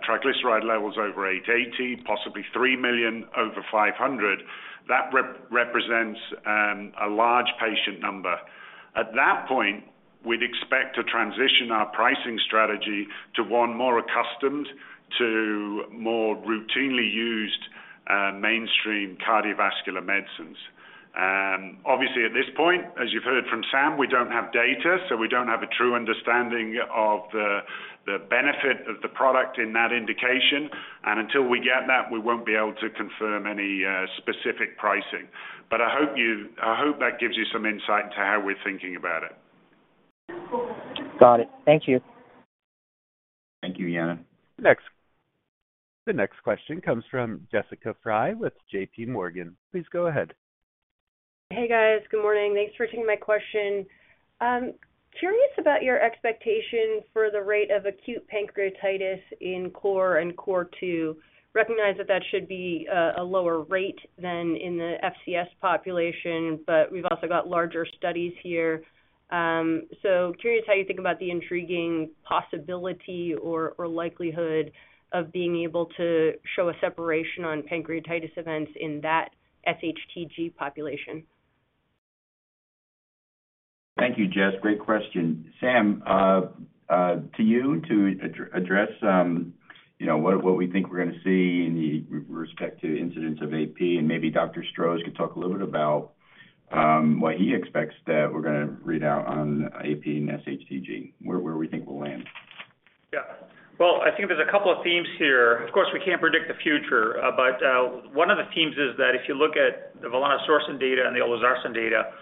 triglyceride levels over 880 mg/dL, possibly three million over 500 mg/dL. That represents a large patient number. At that point, we'd expect to transition our pricing strategy to one more accustomed to more routinely used, mainstream cardiovascular medicines. Obviously, at this point, as you've heard from Sam, we don't have data, so we don't have a true understanding of the benefit of the product in that indication. And until we get that, we won't be able to confirm any, specific pricing. But I hope you, I hope that gives you some insight into how we're thinking about it. Got it. Thank you. Thank you, Yanan. Next. The next question comes from Jessica Fye with JPMorgan. Please go ahead. Hey, guys. Good morning. Thanks for taking my question. Curious about your expectation for the rate of acute pancreatitis in CORE and CORE2. Recognize that that should be a lower rate than in the FCS population, but we've also got larger studies here. So curious how you think about the intriguing possibility or, or likelihood of being able to show a separation on pancreatitis events in that sHTG population. Thank you, Jess. Great question. Sam, to you to address, you know, what we think we're going to see with respect to incidence of AP, and maybe Dr. Stroes could talk a little bit about what he expects that we're going to read out on AP and sHTG, where we think we'll land. Yeah. Well, I think there's a couple of themes here. Of course, we can't predict the future, but one of the themes is that if you look at the volanesorsen data and the olezarsen data,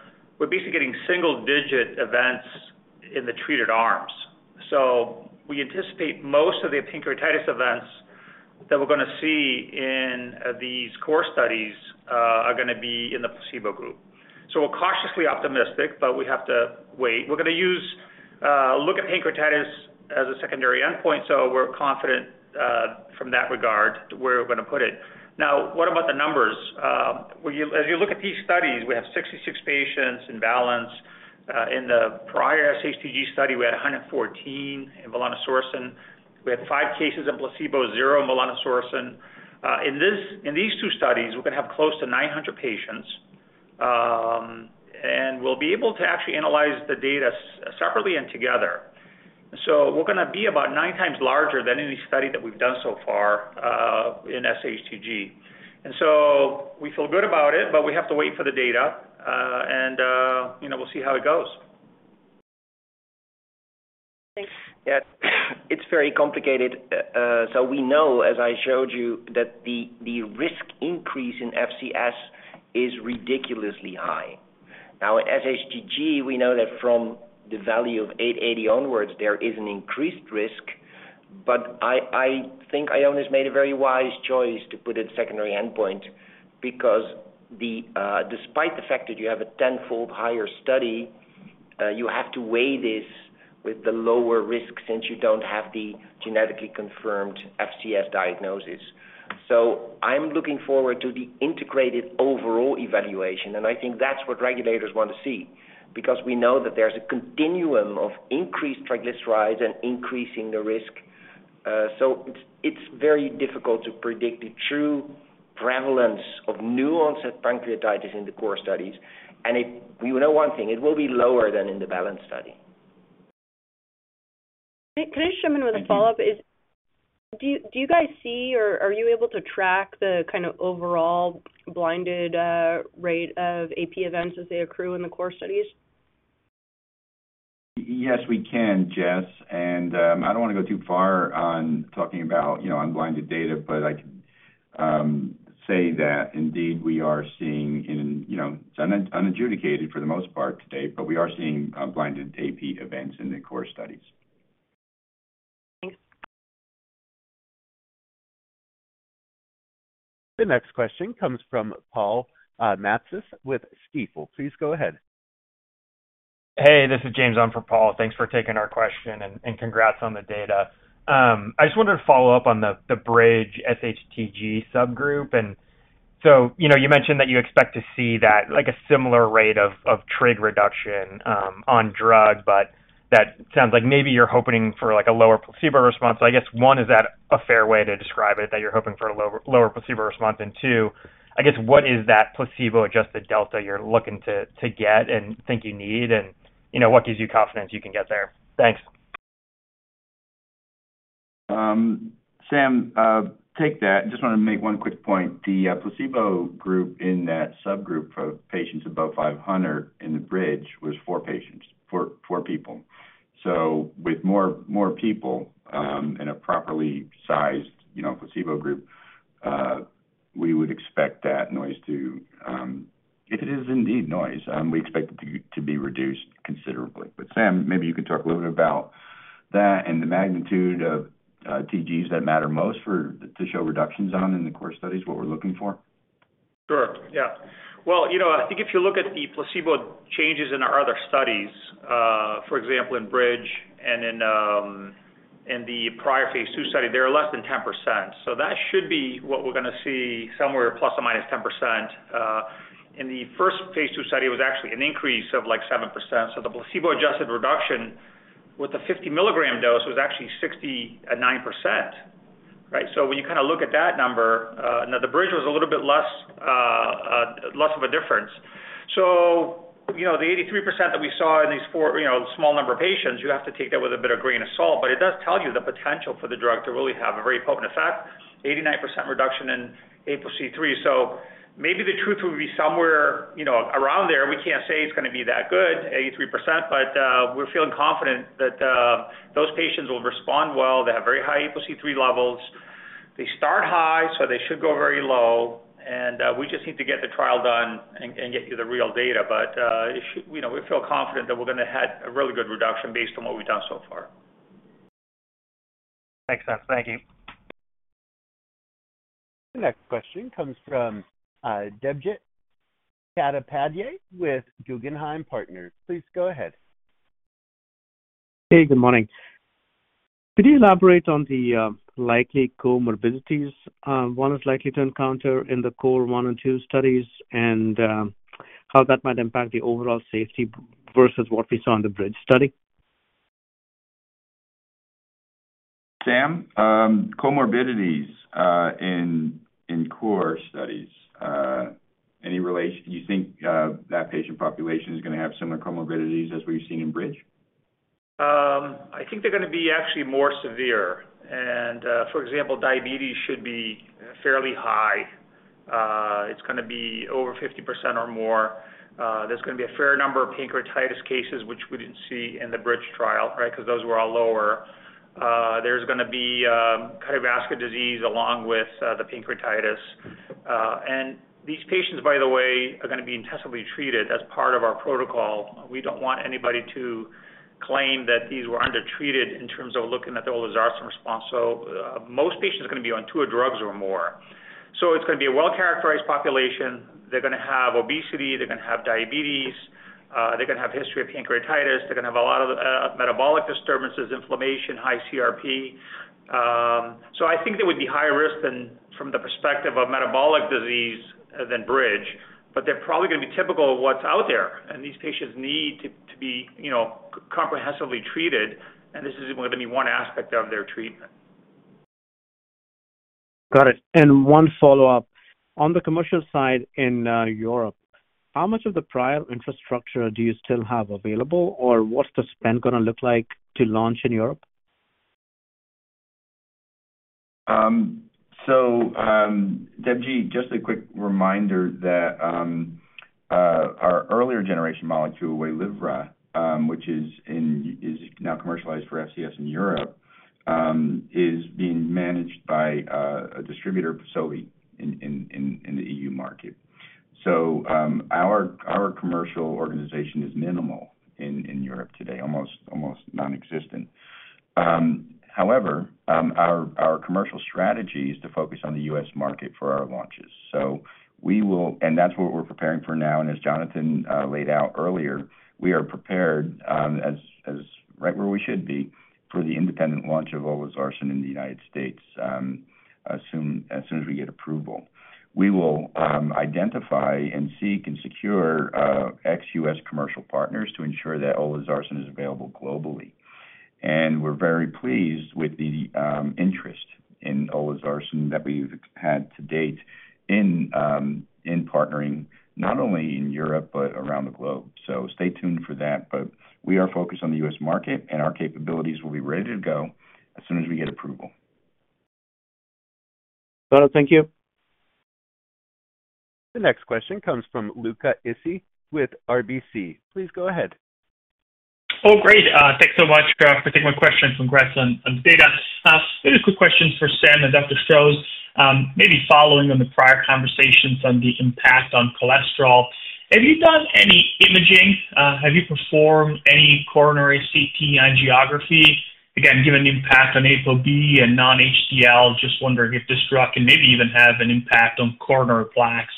we're basically getting single-digit events in the treated arms. So we anticipate most of the pancreatitis events that we're going to see in these CORE studies are going to be in the placebo group. So we're cautiously optimistic, but we have to wait. We're going to use look at pancreatitis as a secondary endpoint, so we're confident from that regard, where we're going to put it. Now, what about the numbers? Well, as you look at these studies, we have 66 patients in BALANCE. In the prior sHTG study, we had 114 in volanesorsen. We had five cases of placebo, zero in volanesorsen. In these two studies, we're going to have close to 900 patients, and we'll be able to actually analyze the data separately and together. So we're going to be about nine times larger than any study that we've done so far in sHTG. And so we feel good about it, but we have to wait for the data, and you know, we'll see how it goes. Thanks. Yeah, it's very complicated. So we know, as I showed you, that the risk increase in FCS is ridiculously high. Now, at SHTG, we know that from the value of 880 mg/dL onwards, there is an increased risk. But I think Ionis made a very wise choice to put a secondary endpoint because, despite the fact that you have a tenfold higher study, you have to weigh this with the lower risk since you don't have the genetically confirmed FCS diagnosis. So I'm looking forward to the integrated overall evaluation, and I think that's what regulators want to see, because we know that there's a continuum of increased triglycerides and increasing the risk. So it's very difficult to predict the true prevalence of new-onset pancreatitis in the CORE studies. And it, we know one thing, it will be lower than in the BALANCE study. Can I just chime in with a follow-up? Do you guys see, or are you able to track the kind of overall blinded rate of AP events as they accrue in the CORE studies? Yes, we can, Jess, and I don't wanna go too far on talking about, you know, unblinded data, but I can say that indeed, we are seeing in, you know, it's unadjudicated for the most part today, but we are seeing blinded AP events in the CORE studies. Thanks. The next question comes from Paul Matteis with Stifel. Please go ahead. Hey, this is James on for Paul. Thanks for taking our question, and congrats on the data. I just wanted to follow up on the Bridge sHTG subgroup. And so, you know, you mentioned that you expect to see that, like, a similar rate of trig reduction on drug, but that sounds like maybe you're hoping for, like, a lower placebo response. I guess, one, is that a fair way to describe it, that you're hoping for a lower placebo response? And two, I guess, what is that placebo-adjusted delta you're looking to get and think you need, and, you know, what gives you confidence you can get there? Thanks. Sam, take that. Just wanna make one quick point. The placebo group in that subgroup of patients above 500 mg/dL in the BRIDGE was four patients, four people. So with more people in a properly sized, you know, placebo group, we would expect that noise. If it is indeed noise, we expect it to be reduced considerably. But Sam, maybe you can talk a little bit about that and the magnitude of TGs that matter most for to show reductions on in the CORE studies, what we're looking for. Sure, yeah. Well, you know, I think if you look at the placebo changes in our other studies, for example, in BRIDGE and in the prior phase II study, they are less than 10%. So that should be what we're gonna see, somewhere ±10%. In the first phase II study, it was actually an increase of, like, 7%. So the placebo-adjusted reduction with the 50 mg dose was actually 69%, right? So when you kind of look at that number, now the BRIDGE was a little bit less, less of a difference. So, you know, the 83% that we saw in these four, you know, small number of patients, you have to take that with a bit of grain of salt, but it does tell you the potential for the drug to really have a very potent effect, 89% reduction in ApoC-III. So maybe the truth will be somewhere, you know, around there. We can't say it's gonna be that good, 83%, but, we're feeling confident that, those patients will respond well. They have very high ApoC-III levels. They start high, so they should go very low, and, we just need to get the trial done and, and get you the real data. But, it should, you know, we feel confident that we're gonna have a really good reduction based on what we've done so far. Makes sense. Thank you. The next question comes from, Debjit Chattopadhyay, with Guggenheim Partners. Please go ahead. Hey, good morning. Could you elaborate on the likely comorbidities one is likely to encounter in the CORE1 and CORE2 studies and how that might impact the overall safety versus what we saw in the BRIDGE study? Sam, comorbidities in CORE studies, any relation, do you think that patient population is gonna have similar comorbidities as we've seen in BRIDGE? I think they're gonna be actually more severe. And for example, diabetes should be fairly high. It's gonna be over 50% or more. There's gonna be a fair number of pancreatitis cases, which we didn't see in the BRIDGE trial, right? Because those were all lower. There's gonna be cardiovascular disease along with the pancreatitis. And these patients, by the way, are gonna be intensively treated as part of our protocol. We don't want anybody to claim that these were undertreated in terms of looking at the olezarsen response. So most patients are gonna be on two drugs or more. So it's gonna be a well-characterized population. They're gonna have obesity, they're gonna have diabetes, they're gonna have history of pancreatitis, they're gonna have a lot of metabolic disturbances, inflammation, high CRP. So I think there would be higher risk than from the perspective of metabolic disease than BRIDGE, but they're probably gonna be typical of what's out there, and these patients need to be, you know, comprehensively treated, and this isn't even any one aspect of their treatment. Got it. And one follow-up: On the commercial side in Europe, how much of the prior infrastructure do you still have available? Or what's the spend gonna look like to launch in Europe? So, Debjit, just a quick reminder that our earlier generation molecule Waylivra, which is now commercialized for FCS in Europe, is being managed by a distributor, Sobi, in the E.U. market. So, our commercial organization is minimal in Europe today, almost non-existent. However, our commercial strategy is to focus on the U.S. market for our launches. So, that's what we're preparing for now, and as Jonathan laid out earlier, we are prepared, as right where we should be, for the independent launch of olezarsen in the United States, as soon as we get approval. We will identify and seek and secure ex-U.S. commercial partners to ensure that olezarsen is available globally. We're very pleased with the interest in olezarsen that we've had to date in partnering not only in Europe but around the globe. So stay tuned for that. But we are focused on the U.S. market, and our capabilities will be ready to go as soon as we get approval. Thank you. The next question comes from Luca Issi with RBC. Please go ahead. Oh, great. Thanks so much for taking my question. Congrats on, on the data. Just a quick question for Sam and Dr. Stroes. Maybe following on the prior conversations on the impact on cholesterol, have you done any imaging? Have you performed any coronary CT angiography? Again, given the impact on ApoB and non-HDL, just wondering if this drug can maybe even have an impact on coronary plaques.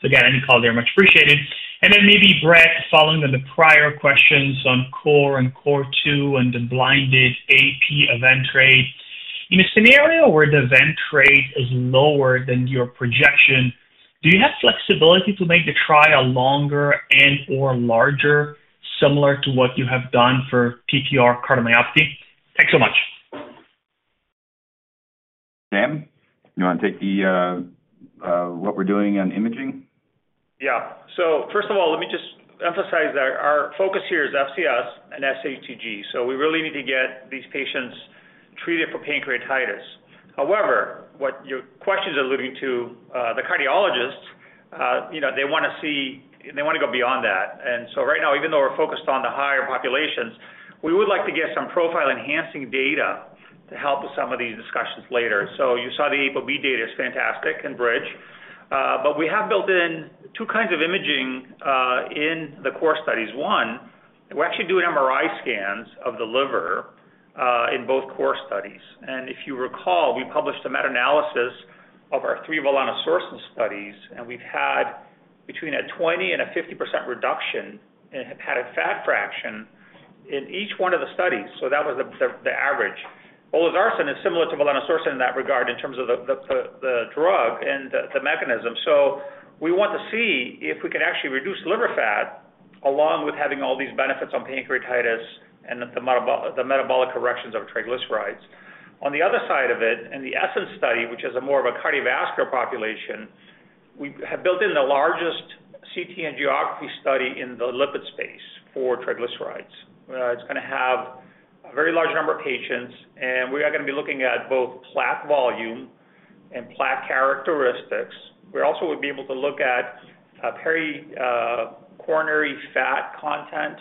So again, any call there, much appreciated. And then maybe, Brett, following on the prior questions on CORE and CORE II and the blinded AP event rate. In a scenario where the event rate is lower than your projection, do you have flexibility to make the trial longer and/or larger, similar to what you have done for PPR cardiomyopathy? Thanks so much. Sam, you want to take the what we're doing on imaging? Yeah. So first of all, let me just emphasize that our focus here is FCS and sHTG, so we really need to get these patients treated for pancreatitis. However, what your question is alluding to, the cardiologists, you know, they wanna go beyond that. And so right now, even though we're focused on the higher populations, we would like to get some profile-enhancing data to help with some of these discussions later. So you saw the ApoB data, it's fantastic in BRIDGE. But we have built in two kinds of imaging in the CORE studies. One, we're actually doing MRI scans of the liver in both CORE studies. And if you recall, we published a meta-analysis of our three volanesorsen studies, and we've had between a 20% and 50% reduction in hepatic fat fraction in each one of the studies. So that was the average. Olezarsen is similar to volanesorsen in that regard, in terms of the drug and the mechanism. So we want to see if we can actually reduce liver fat, along with having all these benefits on pancreatitis and the metabolic corrections of triglycerides. On the other side of it, in the ESSENCE study, which is more of a cardiovascular population, we have built in the largest CT angiography study in the lipid space for triglycerides. It's gonna have a very large number of patients, and we are gonna be looking at both plaque volume and plaque characteristics. We also would be able to look at pericoronary fat content,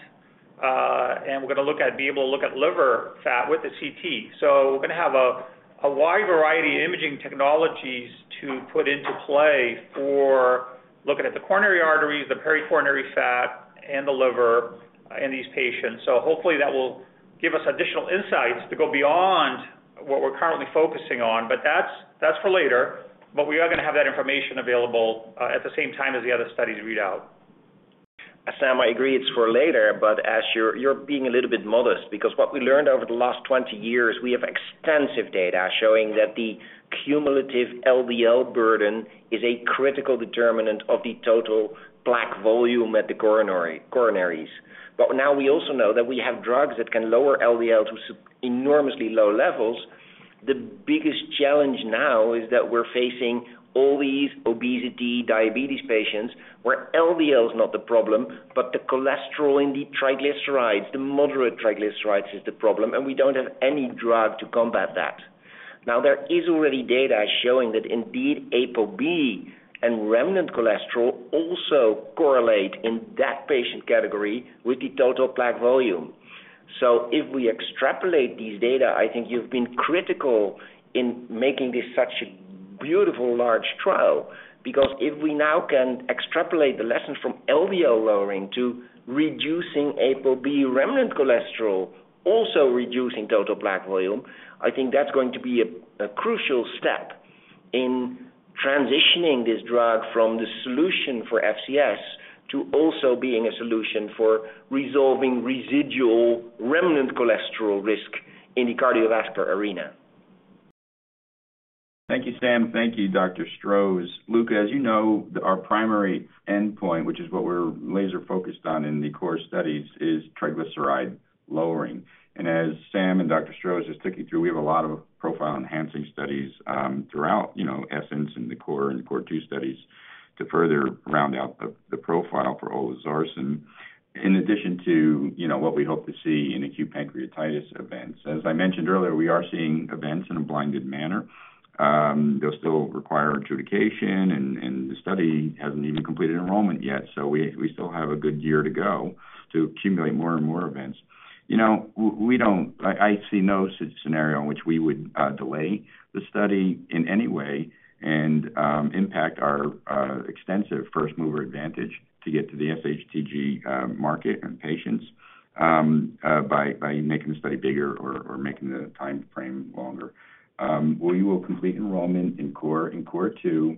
and we're gonna be able to look at liver fat with the CT. So we're gonna have a wide variety of imaging technologies to put into play for looking at the coronary arteries, the pericoronary fat, and the liver in these patients. So hopefully, that will give us additional insights to go beyond what we're currently focusing on, but that's, that's for later. But we are gonna have that information available at the same time as the other studies read out. Sam, I agree it's for later, but as you're, you're being a little bit modest, because what we learned over the last 20 years, we have extensive data showing that the cumulative LDL burden is a critical determinant of the total plaque volume at the coronary, coronaries. But now we also know that we have drugs that can lower LDL to enormously low levels. The biggest challenge now is that we're facing all these obesity, diabetes patients, where LDL is not the problem, but the cholesterol in the triglycerides, the moderate triglycerides, is the problem, and we don't have any drug to combat that. Now, there is already data showing that indeed, ApoB and remnant cholesterol also correlate in that patient category with the total plaque volume. So if we extrapolate these data, I think you've been critical in making this such a beautiful, large trial. Because if we now can extrapolate the lessons from LDL lowering to reducing ApoB remnant cholesterol, also reducing total plaque volume, I think that's going to be a crucial step in transitioning this drug from the solution for FCS to also being a solution for resolving residual remnant cholesterol risk in the cardiovascular arena. Thank you, Sam. Thank you, Dr. Stroes. Luca, as you know, our primary endpoint, which is what we're laser-focused on in the CORE studies, is triglyceride lowering. And as Sam and Dr. Stroes just took you through, we have a lot of profile-enhancing studies throughout, you know, ESSENCE and the CORE and CORE2 studies to further round out the profile for olezarsen, in addition to, you know, what we hope to see in acute pancreatitis events. As I mentioned earlier, we are seeing events in a blinded manner. They'll still require adjudication, and the study hasn't even completed enrollment yet, so we still have a good year to go to accumulate more and more events. You know, we don't, I see no such scenario in which we would delay the study in any way and impact our extensive first-mover advantage to get to the sHTG market and patients by making the study bigger or making the timeframe longer. We will complete enrollment in CORE and CORE2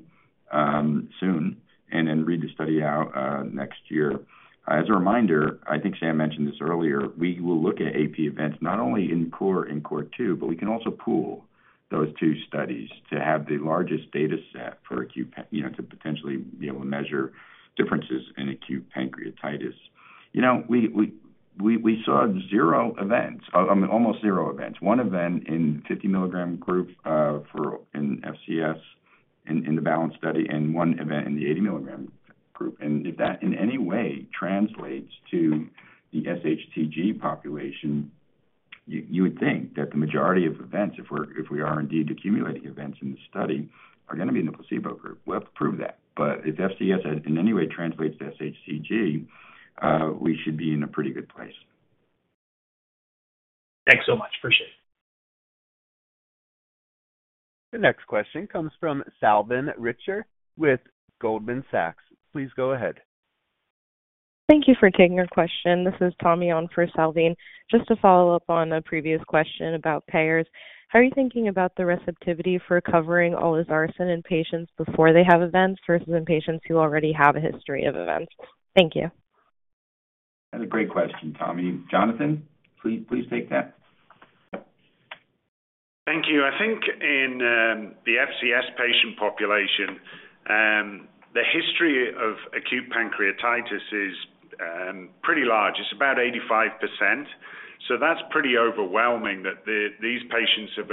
soon, and then read the study out next year. As a reminder, I think Sam mentioned this earlier, we will look at AP events not only in CORE and CORE2, but we can also pool those two studies to have the largest dataset for acute pancreatitis, you know, to potentially be able to measure differences in acute pancreatitis. You know, we saw zero events, almost zero events. One event in 50 mg group for FCS in the BALANCE study and one event in the 80 mg group. And if that in any way translates to the sHTG population, you would think that the majority of events, if we are indeed accumulating events in the study, are gonna be in the placebo group. We'll have to prove that. But if FCS in any way translates to sHTG, we should be in a pretty good place. Thanks so much. Appreciate it. The next question comes from Salveen Richter with Goldman Sachs. Please go ahead. Thank you for taking our question. This is Tommy on for Salvin. Just to follow up on a previous question about payers, how are you thinking about the receptivity for covering olezarsen in patients before they have events, versus in patients who already have a history of events? Thank you. That's a great question, Tommy. Jonathan, please, please take that. Thank you. I think in the FCS patient population, the history of acute pancreatitis is pretty large. It's about 85%, so that's pretty overwhelming that these patients have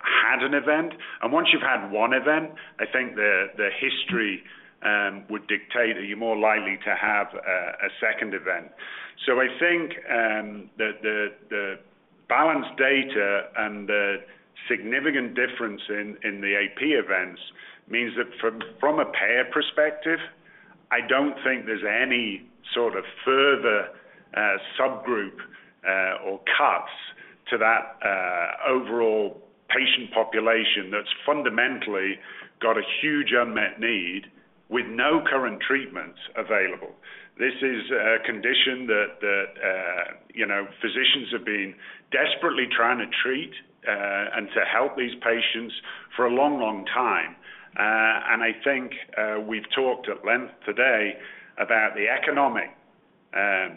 had an event. And once you've had one event, I think the history would dictate that you're more likely to have a second event. So I think the BALANCE data and the significant difference in the AP events means that from a payer perspective, I don't think there's any sort of further subgroup or cuts to that overall patient population that's fundamentally got a huge unmet need with no current treatments available. This is a condition that you know, physicians have been desperately trying to treat and to help these patients for a long, long time. I think we've talked at length today about the economic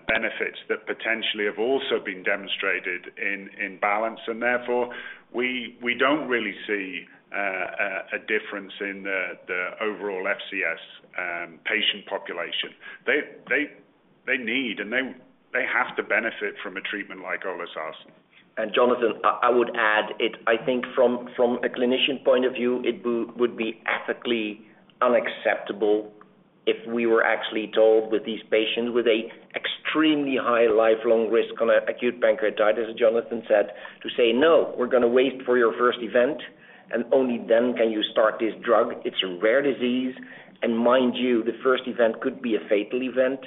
benefits that potentially have also been demonstrated in BALANCE, and therefore, we don't really see a difference in the overall FCS patient population. They need, and they have to benefit from a treatment like olezarsen. And Jonathan, I would add it. I think from a clinician point of view, it would be ethically unacceptable if we were actually told that these patients with an extremely high lifelong risk on acute pancreatitis, as Jonathan said, to say, "No, we're gonna wait for your first event, and only then can you start this drug." It's a rare disease, and mind you, the first event could be a fatal event.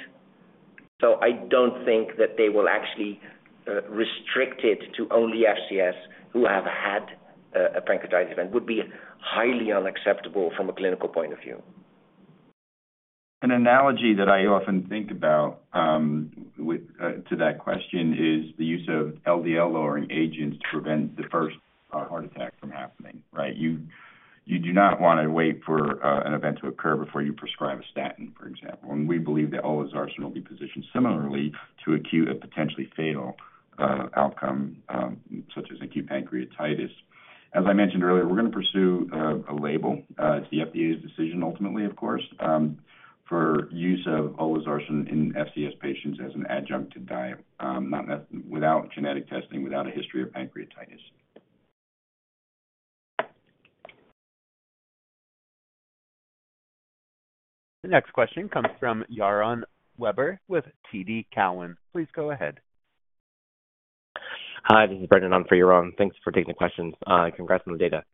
So I don't think that they will actually restrict it to only FCS who have had a pancreatitis event; it would be highly unacceptable from a clinical point of view. An analogy that I often think about, with to that question is the use of LDL-lowering agents to prevent the first heart attack from happening, right? You do not want to wait for an event to occur before you prescribe a statin, for example. We believe that olezarsen will be positioned similarly to acute and potentially fatal outcome, such as acute pancreatitis. As I mentioned earlier, we're gonna pursue a label; it's the FDA's decision, ultimately, of course, for use of olezarsen in FCS patients as an adjunct to diet, not without genetic testing, without a history of pancreatitis. The next question comes from Yaron Werber with TD Cowen. Please go ahead. Hi, this is Brendan on for Yaron. Thanks for taking the questions. Congrats on the data.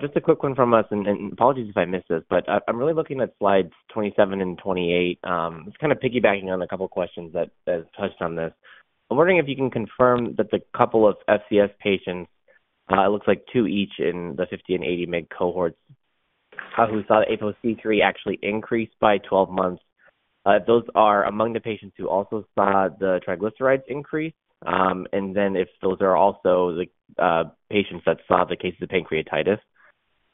Just a quick one from us, and apologies if I missed this, but I'm really looking at slides 27 and 28. Just kind of piggybacking on a couple of questions that touched on this. I'm wondering if you can confirm that the couple of FCS patients, it looks like two each in the 50 mg and 80 mg cohorts, who saw the ApoC-III actually increase by 12 months. Those are among the patients who also saw the triglycerides increase, and then if those are also the patients that saw the cases of pancreatitis.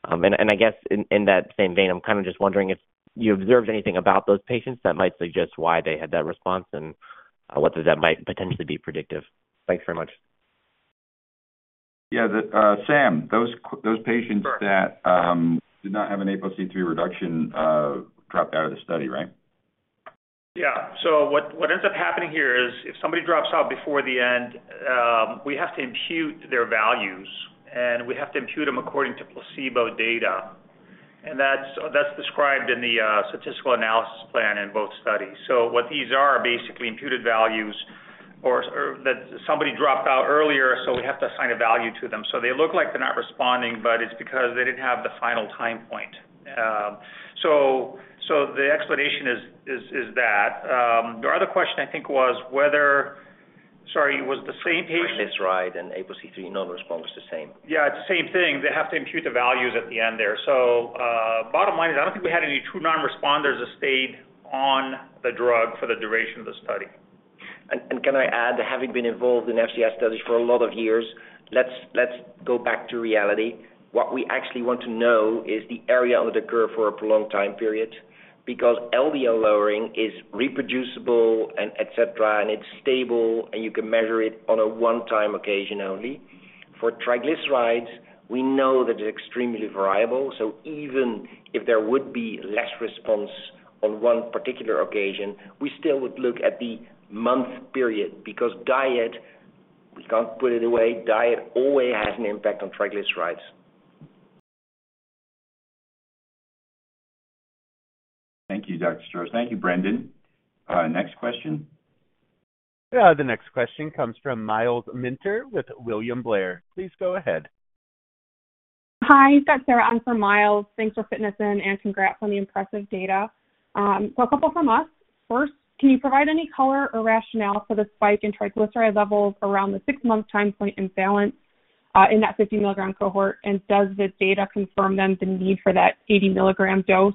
I guess in that same vein, I'm kind of just wondering if you observed anything about those patients that might suggest why they had that response and whether that might potentially be predictive. Thanks very much. Yeah, the Sam, those, those patients that did not have an ApoC-III reduction dropped out of the study, right? Yeah. So what ends up happening here is if somebody drops out before the end, we have to impute their values, and we have to impute them according to placebo data. And that's described in the statistical analysis plan in both studies. So what these are are basically imputed values or that somebody dropped out earlier, so we have to assign a value to them. So they look like they're not responding, but it's because they didn't have the final time point. So the explanation is that the other question, I think, was whether. Sorry, was the same patient? Triglyceride and ApoC-III, no response the same. Yeah, it's the same thing. They have to impute the values at the end there. So, bottom line is, I don't think we had any true non-responders that stayed on the drug for the duration of the study. And can I add, having been involved in FCS studies for a lot of years, let's go back to reality. What we actually want to know is the area under the curve for a prolonged time period, because LDL lowering is reproducible and et cetera, and it's stable, and you can measure it on a one-time occasion only. For triglycerides, we know that it's extremely variable, so even if there would be less response on one particular occasion, we still would look at the month period, because diet, we can't put it away, diet always has an impact on triglycerides. Thank you, Dr. Stroes. Thank you, Brendan. Next question. The next question comes from Myles Minter with William Blair. Please go ahead. Hi, Dr. Minter. Miles, thanks for fitting us in, and congrats on the impressive data. So a couple from us. First, can you provide any color or rationale for the spike in triglyceride levels around the six-month time point in BALANCE, in that 50 mg cohort? And does this data confirm then the need for that 80 mg dose,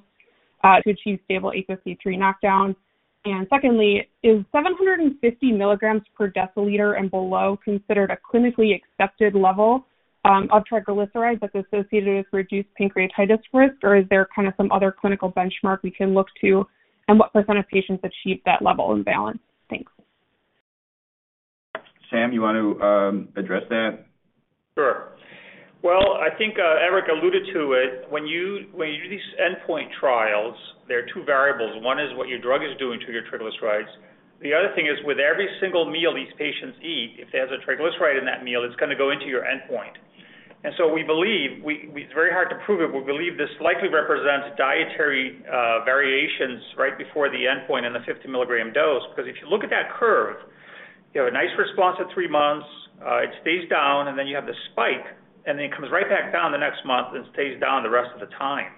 to achieve stable ApoC-III knockdown? And secondly, is 750 mg/dL and below considered a clinically accepted level of triglycerides that's associated with reduced pancreatitis risk, or is there kind of some other clinical benchmark we can look to, and what percent of patients achieve that level in BALANCE? Thanks. Sam, you want to address that? Sure. Well, I think Eric alluded to it. When you do these endpoint trials, there are two variables. One is what your drug is doing to your triglycerides. The other thing is, with every single meal these patients eat, if there's a triglyceride in that meal, it's gonna go into your endpoint. And so we believe, it's very hard to prove it, but we believe this likely represents dietary variations right before the endpoint in the 50 mg dose. Because if you look at that curve, you have a nice response at three months, it stays down, and then you have this spike, and then it comes right back down the next month and stays down the rest of the time.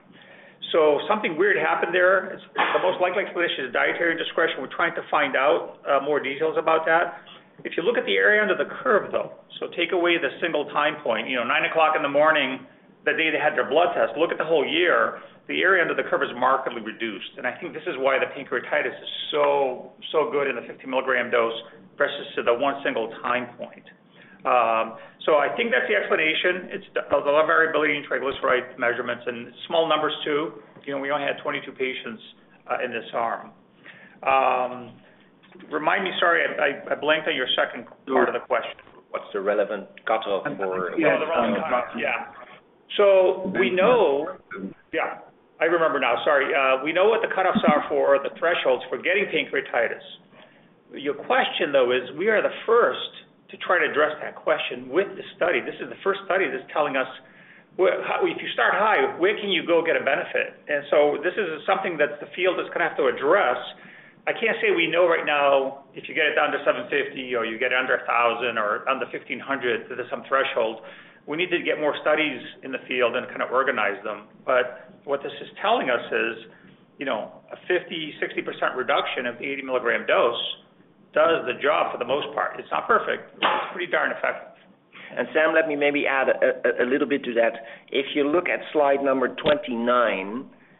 So something weird happened there. It's, the most likely explanation is dietary discretion. We're trying to find out more details about that. If you look at the area under the curve, though, so take away the single time point, you know, 9:00AM. the day they had their blood test, look at the whole year, the area under the curve is markedly reduced. And I think this is why the pancreatitis is so, so good in a 50 mg dose versus to the one single time point. So I think that's the explanation. It's the variability in triglyceride measurements and small numbers, too. You know, we only had 22 patients in this arm. Remind me, sorry, I blanked on your second part of the question. What's the relevant cutoff for. Yeah, the relevant cutoff, yeah. So we know. Yeah, I remember now. Sorry. We know what the cutoffs are for, or the thresholds for getting pancreatitis. Your question, though, is we are the first to try to address that question with this study. This is the first study that's telling us, well if you start high, where can you go get a benefit? And so this is something that the field is gonna have to address. I can't say we know right now, if you get it down to 750 mg/dL or you get it under 1,000 mg/dL or under 1,500 mg/dL, there's some threshold. We need to get more studies in the field and kind of organize them. But what this is telling us is, you know, a 50%-60% reduction of 80 mg dose does the job for the most part. It's not perfect, but it's pretty darn effective. Sam, let me maybe add a little bit to that. If you look at slide number 29,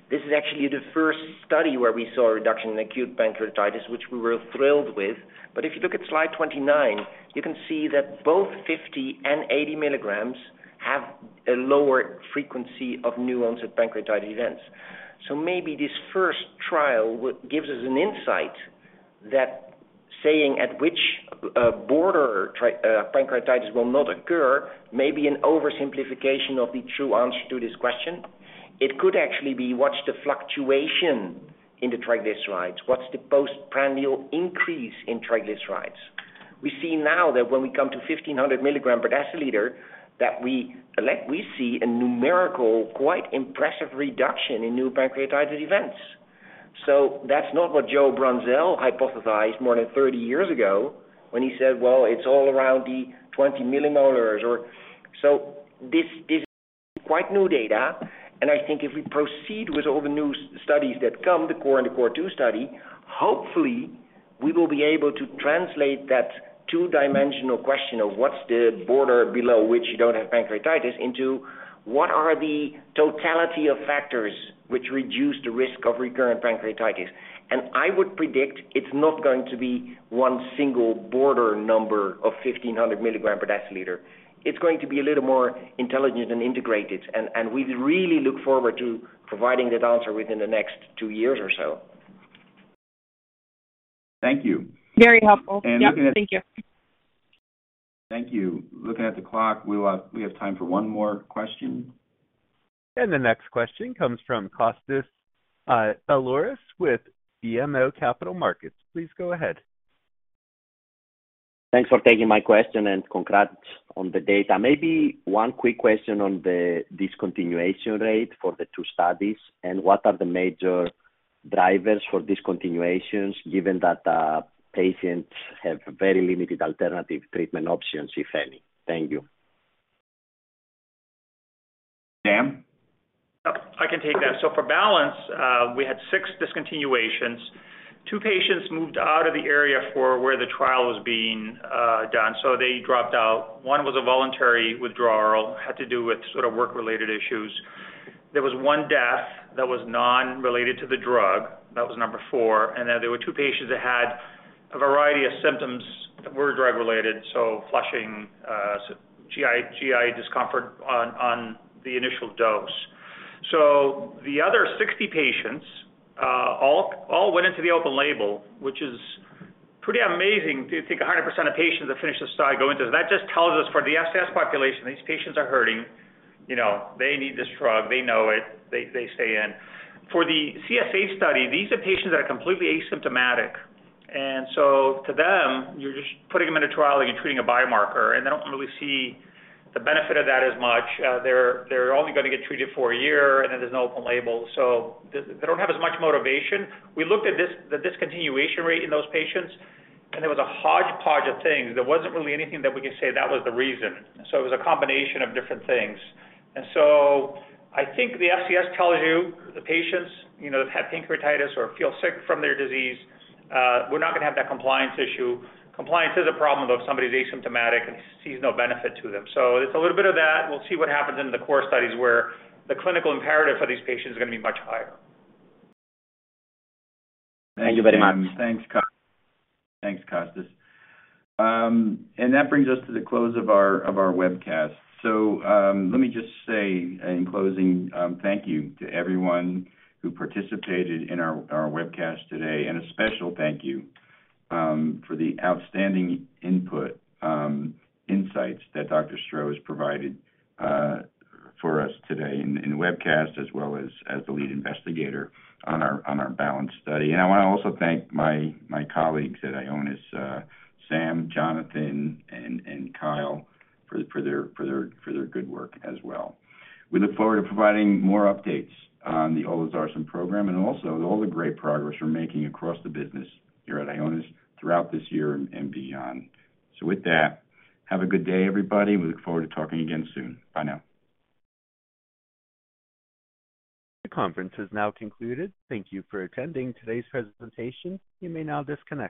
this is actually the first study where we saw a reduction in acute pancreatitis, which we were thrilled with. But if you look at slide 29, you can see that both 50 mg and 80 mg have a lower frequency of new onset pancreatitis events. So maybe this first trial gives us an insight that saying at which, border pancreatitis will not occur, may be an oversimplification of the true answer to this question. It could actually be, what's the fluctuation in the triglycerides? What's the postprandial increase in triglycerides? We see now that when we come to 1,500 mg/dL, we see a numerical, quite impressive reduction in new pancreatitis events. So that's not what Joe Brunzell hypothesized more than 30 years ago when he said, "Well, it's all around the 20 mM or..." So this, this is quite new data, and I think if we proceed with all the new studies that come, the CORE and the CORE2 study, hopefully, we will be able to translate that two-dimensional question of what's the border below which you don't have pancreatitis, into what are the totality of factors which reduce the risk of recurrent pancreatitis? And I would predict it's not going to be one single border number of 1,500 mg/dL. It's going to be a little more intelligent and integrated, and, and we really look forward to providing that answer within the next two years or so. Thank you. Very helpful. Yep, thank you. Thank you. Looking at the clock, we have time for one more question. The next question comes from Kostas Biliouris with BMO Capital Markets. Please go ahead. Thanks for taking my question, and congrats on the data. Maybe one quick question on the discontinuation rate for the two studies, and what are the major drivers for discontinuations, given that, patients have very limited alternative treatment options, if any? Thank you. Sam? I can take that. So for BALANCE, we had six discontinuations. Two patients moved out of the area for where the trial was being done, so they dropped out. One was a voluntary withdrawal, had to do with sort of work-related issues. There was one death that was non-related to the drug, that was number four, and then there were two patients that had a variety of symptoms that were drug-related, so flushing, GI discomfort on the initial dose. So the other 60 patients all went into the open label, which is pretty amazing to think 100% of patients that finish the study go into this. That just tells us for the FCS population, these patients are hurting. You know, they need this drug. They know it, they stay in. For the sHTG study, these are patients that are completely asymptomatic, and so to them, you're just putting them in a trial and you're treating a biomarker, and they don't really see the benefit of that as much. They're only gonna get treated for a year, and then there's no open label, so they don't have as much motivation. We looked at this, the discontinuation rate in those patients, and there was a hodgepodge of things. There wasn't really anything that we could say that was the reason. So it was a combination of different things. And so I think the FCS tells you, the patients, you know, have had pancreatitis or feel sick from their disease, we're not gonna have that compliance issue. Compliance is a problem, though, if somebody's asymptomatic and sees no benefit to them. So it's a little bit of that. We'll see what happens in the core studies, where the clinical imperative for these patients is gonna be much higher. Thank you very much. Thanks, Kostas. And that brings us to the close of our webcast. So, let me just say in closing, thank you to everyone who participated in our webcast today, and a special thank you for the outstanding input, insights that Dr. Stroes has provided for us today in the webcast, as well as the lead investigator on our BALANCE study. And I want to thank my colleagues at Ionis, Sam, Jonathan, and Kyle for their good work as well. We look forward to providing more updates on the olezarsen program and also all the great progress we're making across the business here at Ionis throughout this year and beyond. So with that, have a good day, everybody. We look forward to talking again soon. Bye now. The conference is now concluded. Thank you for attending today's presentation. You may now disconnect.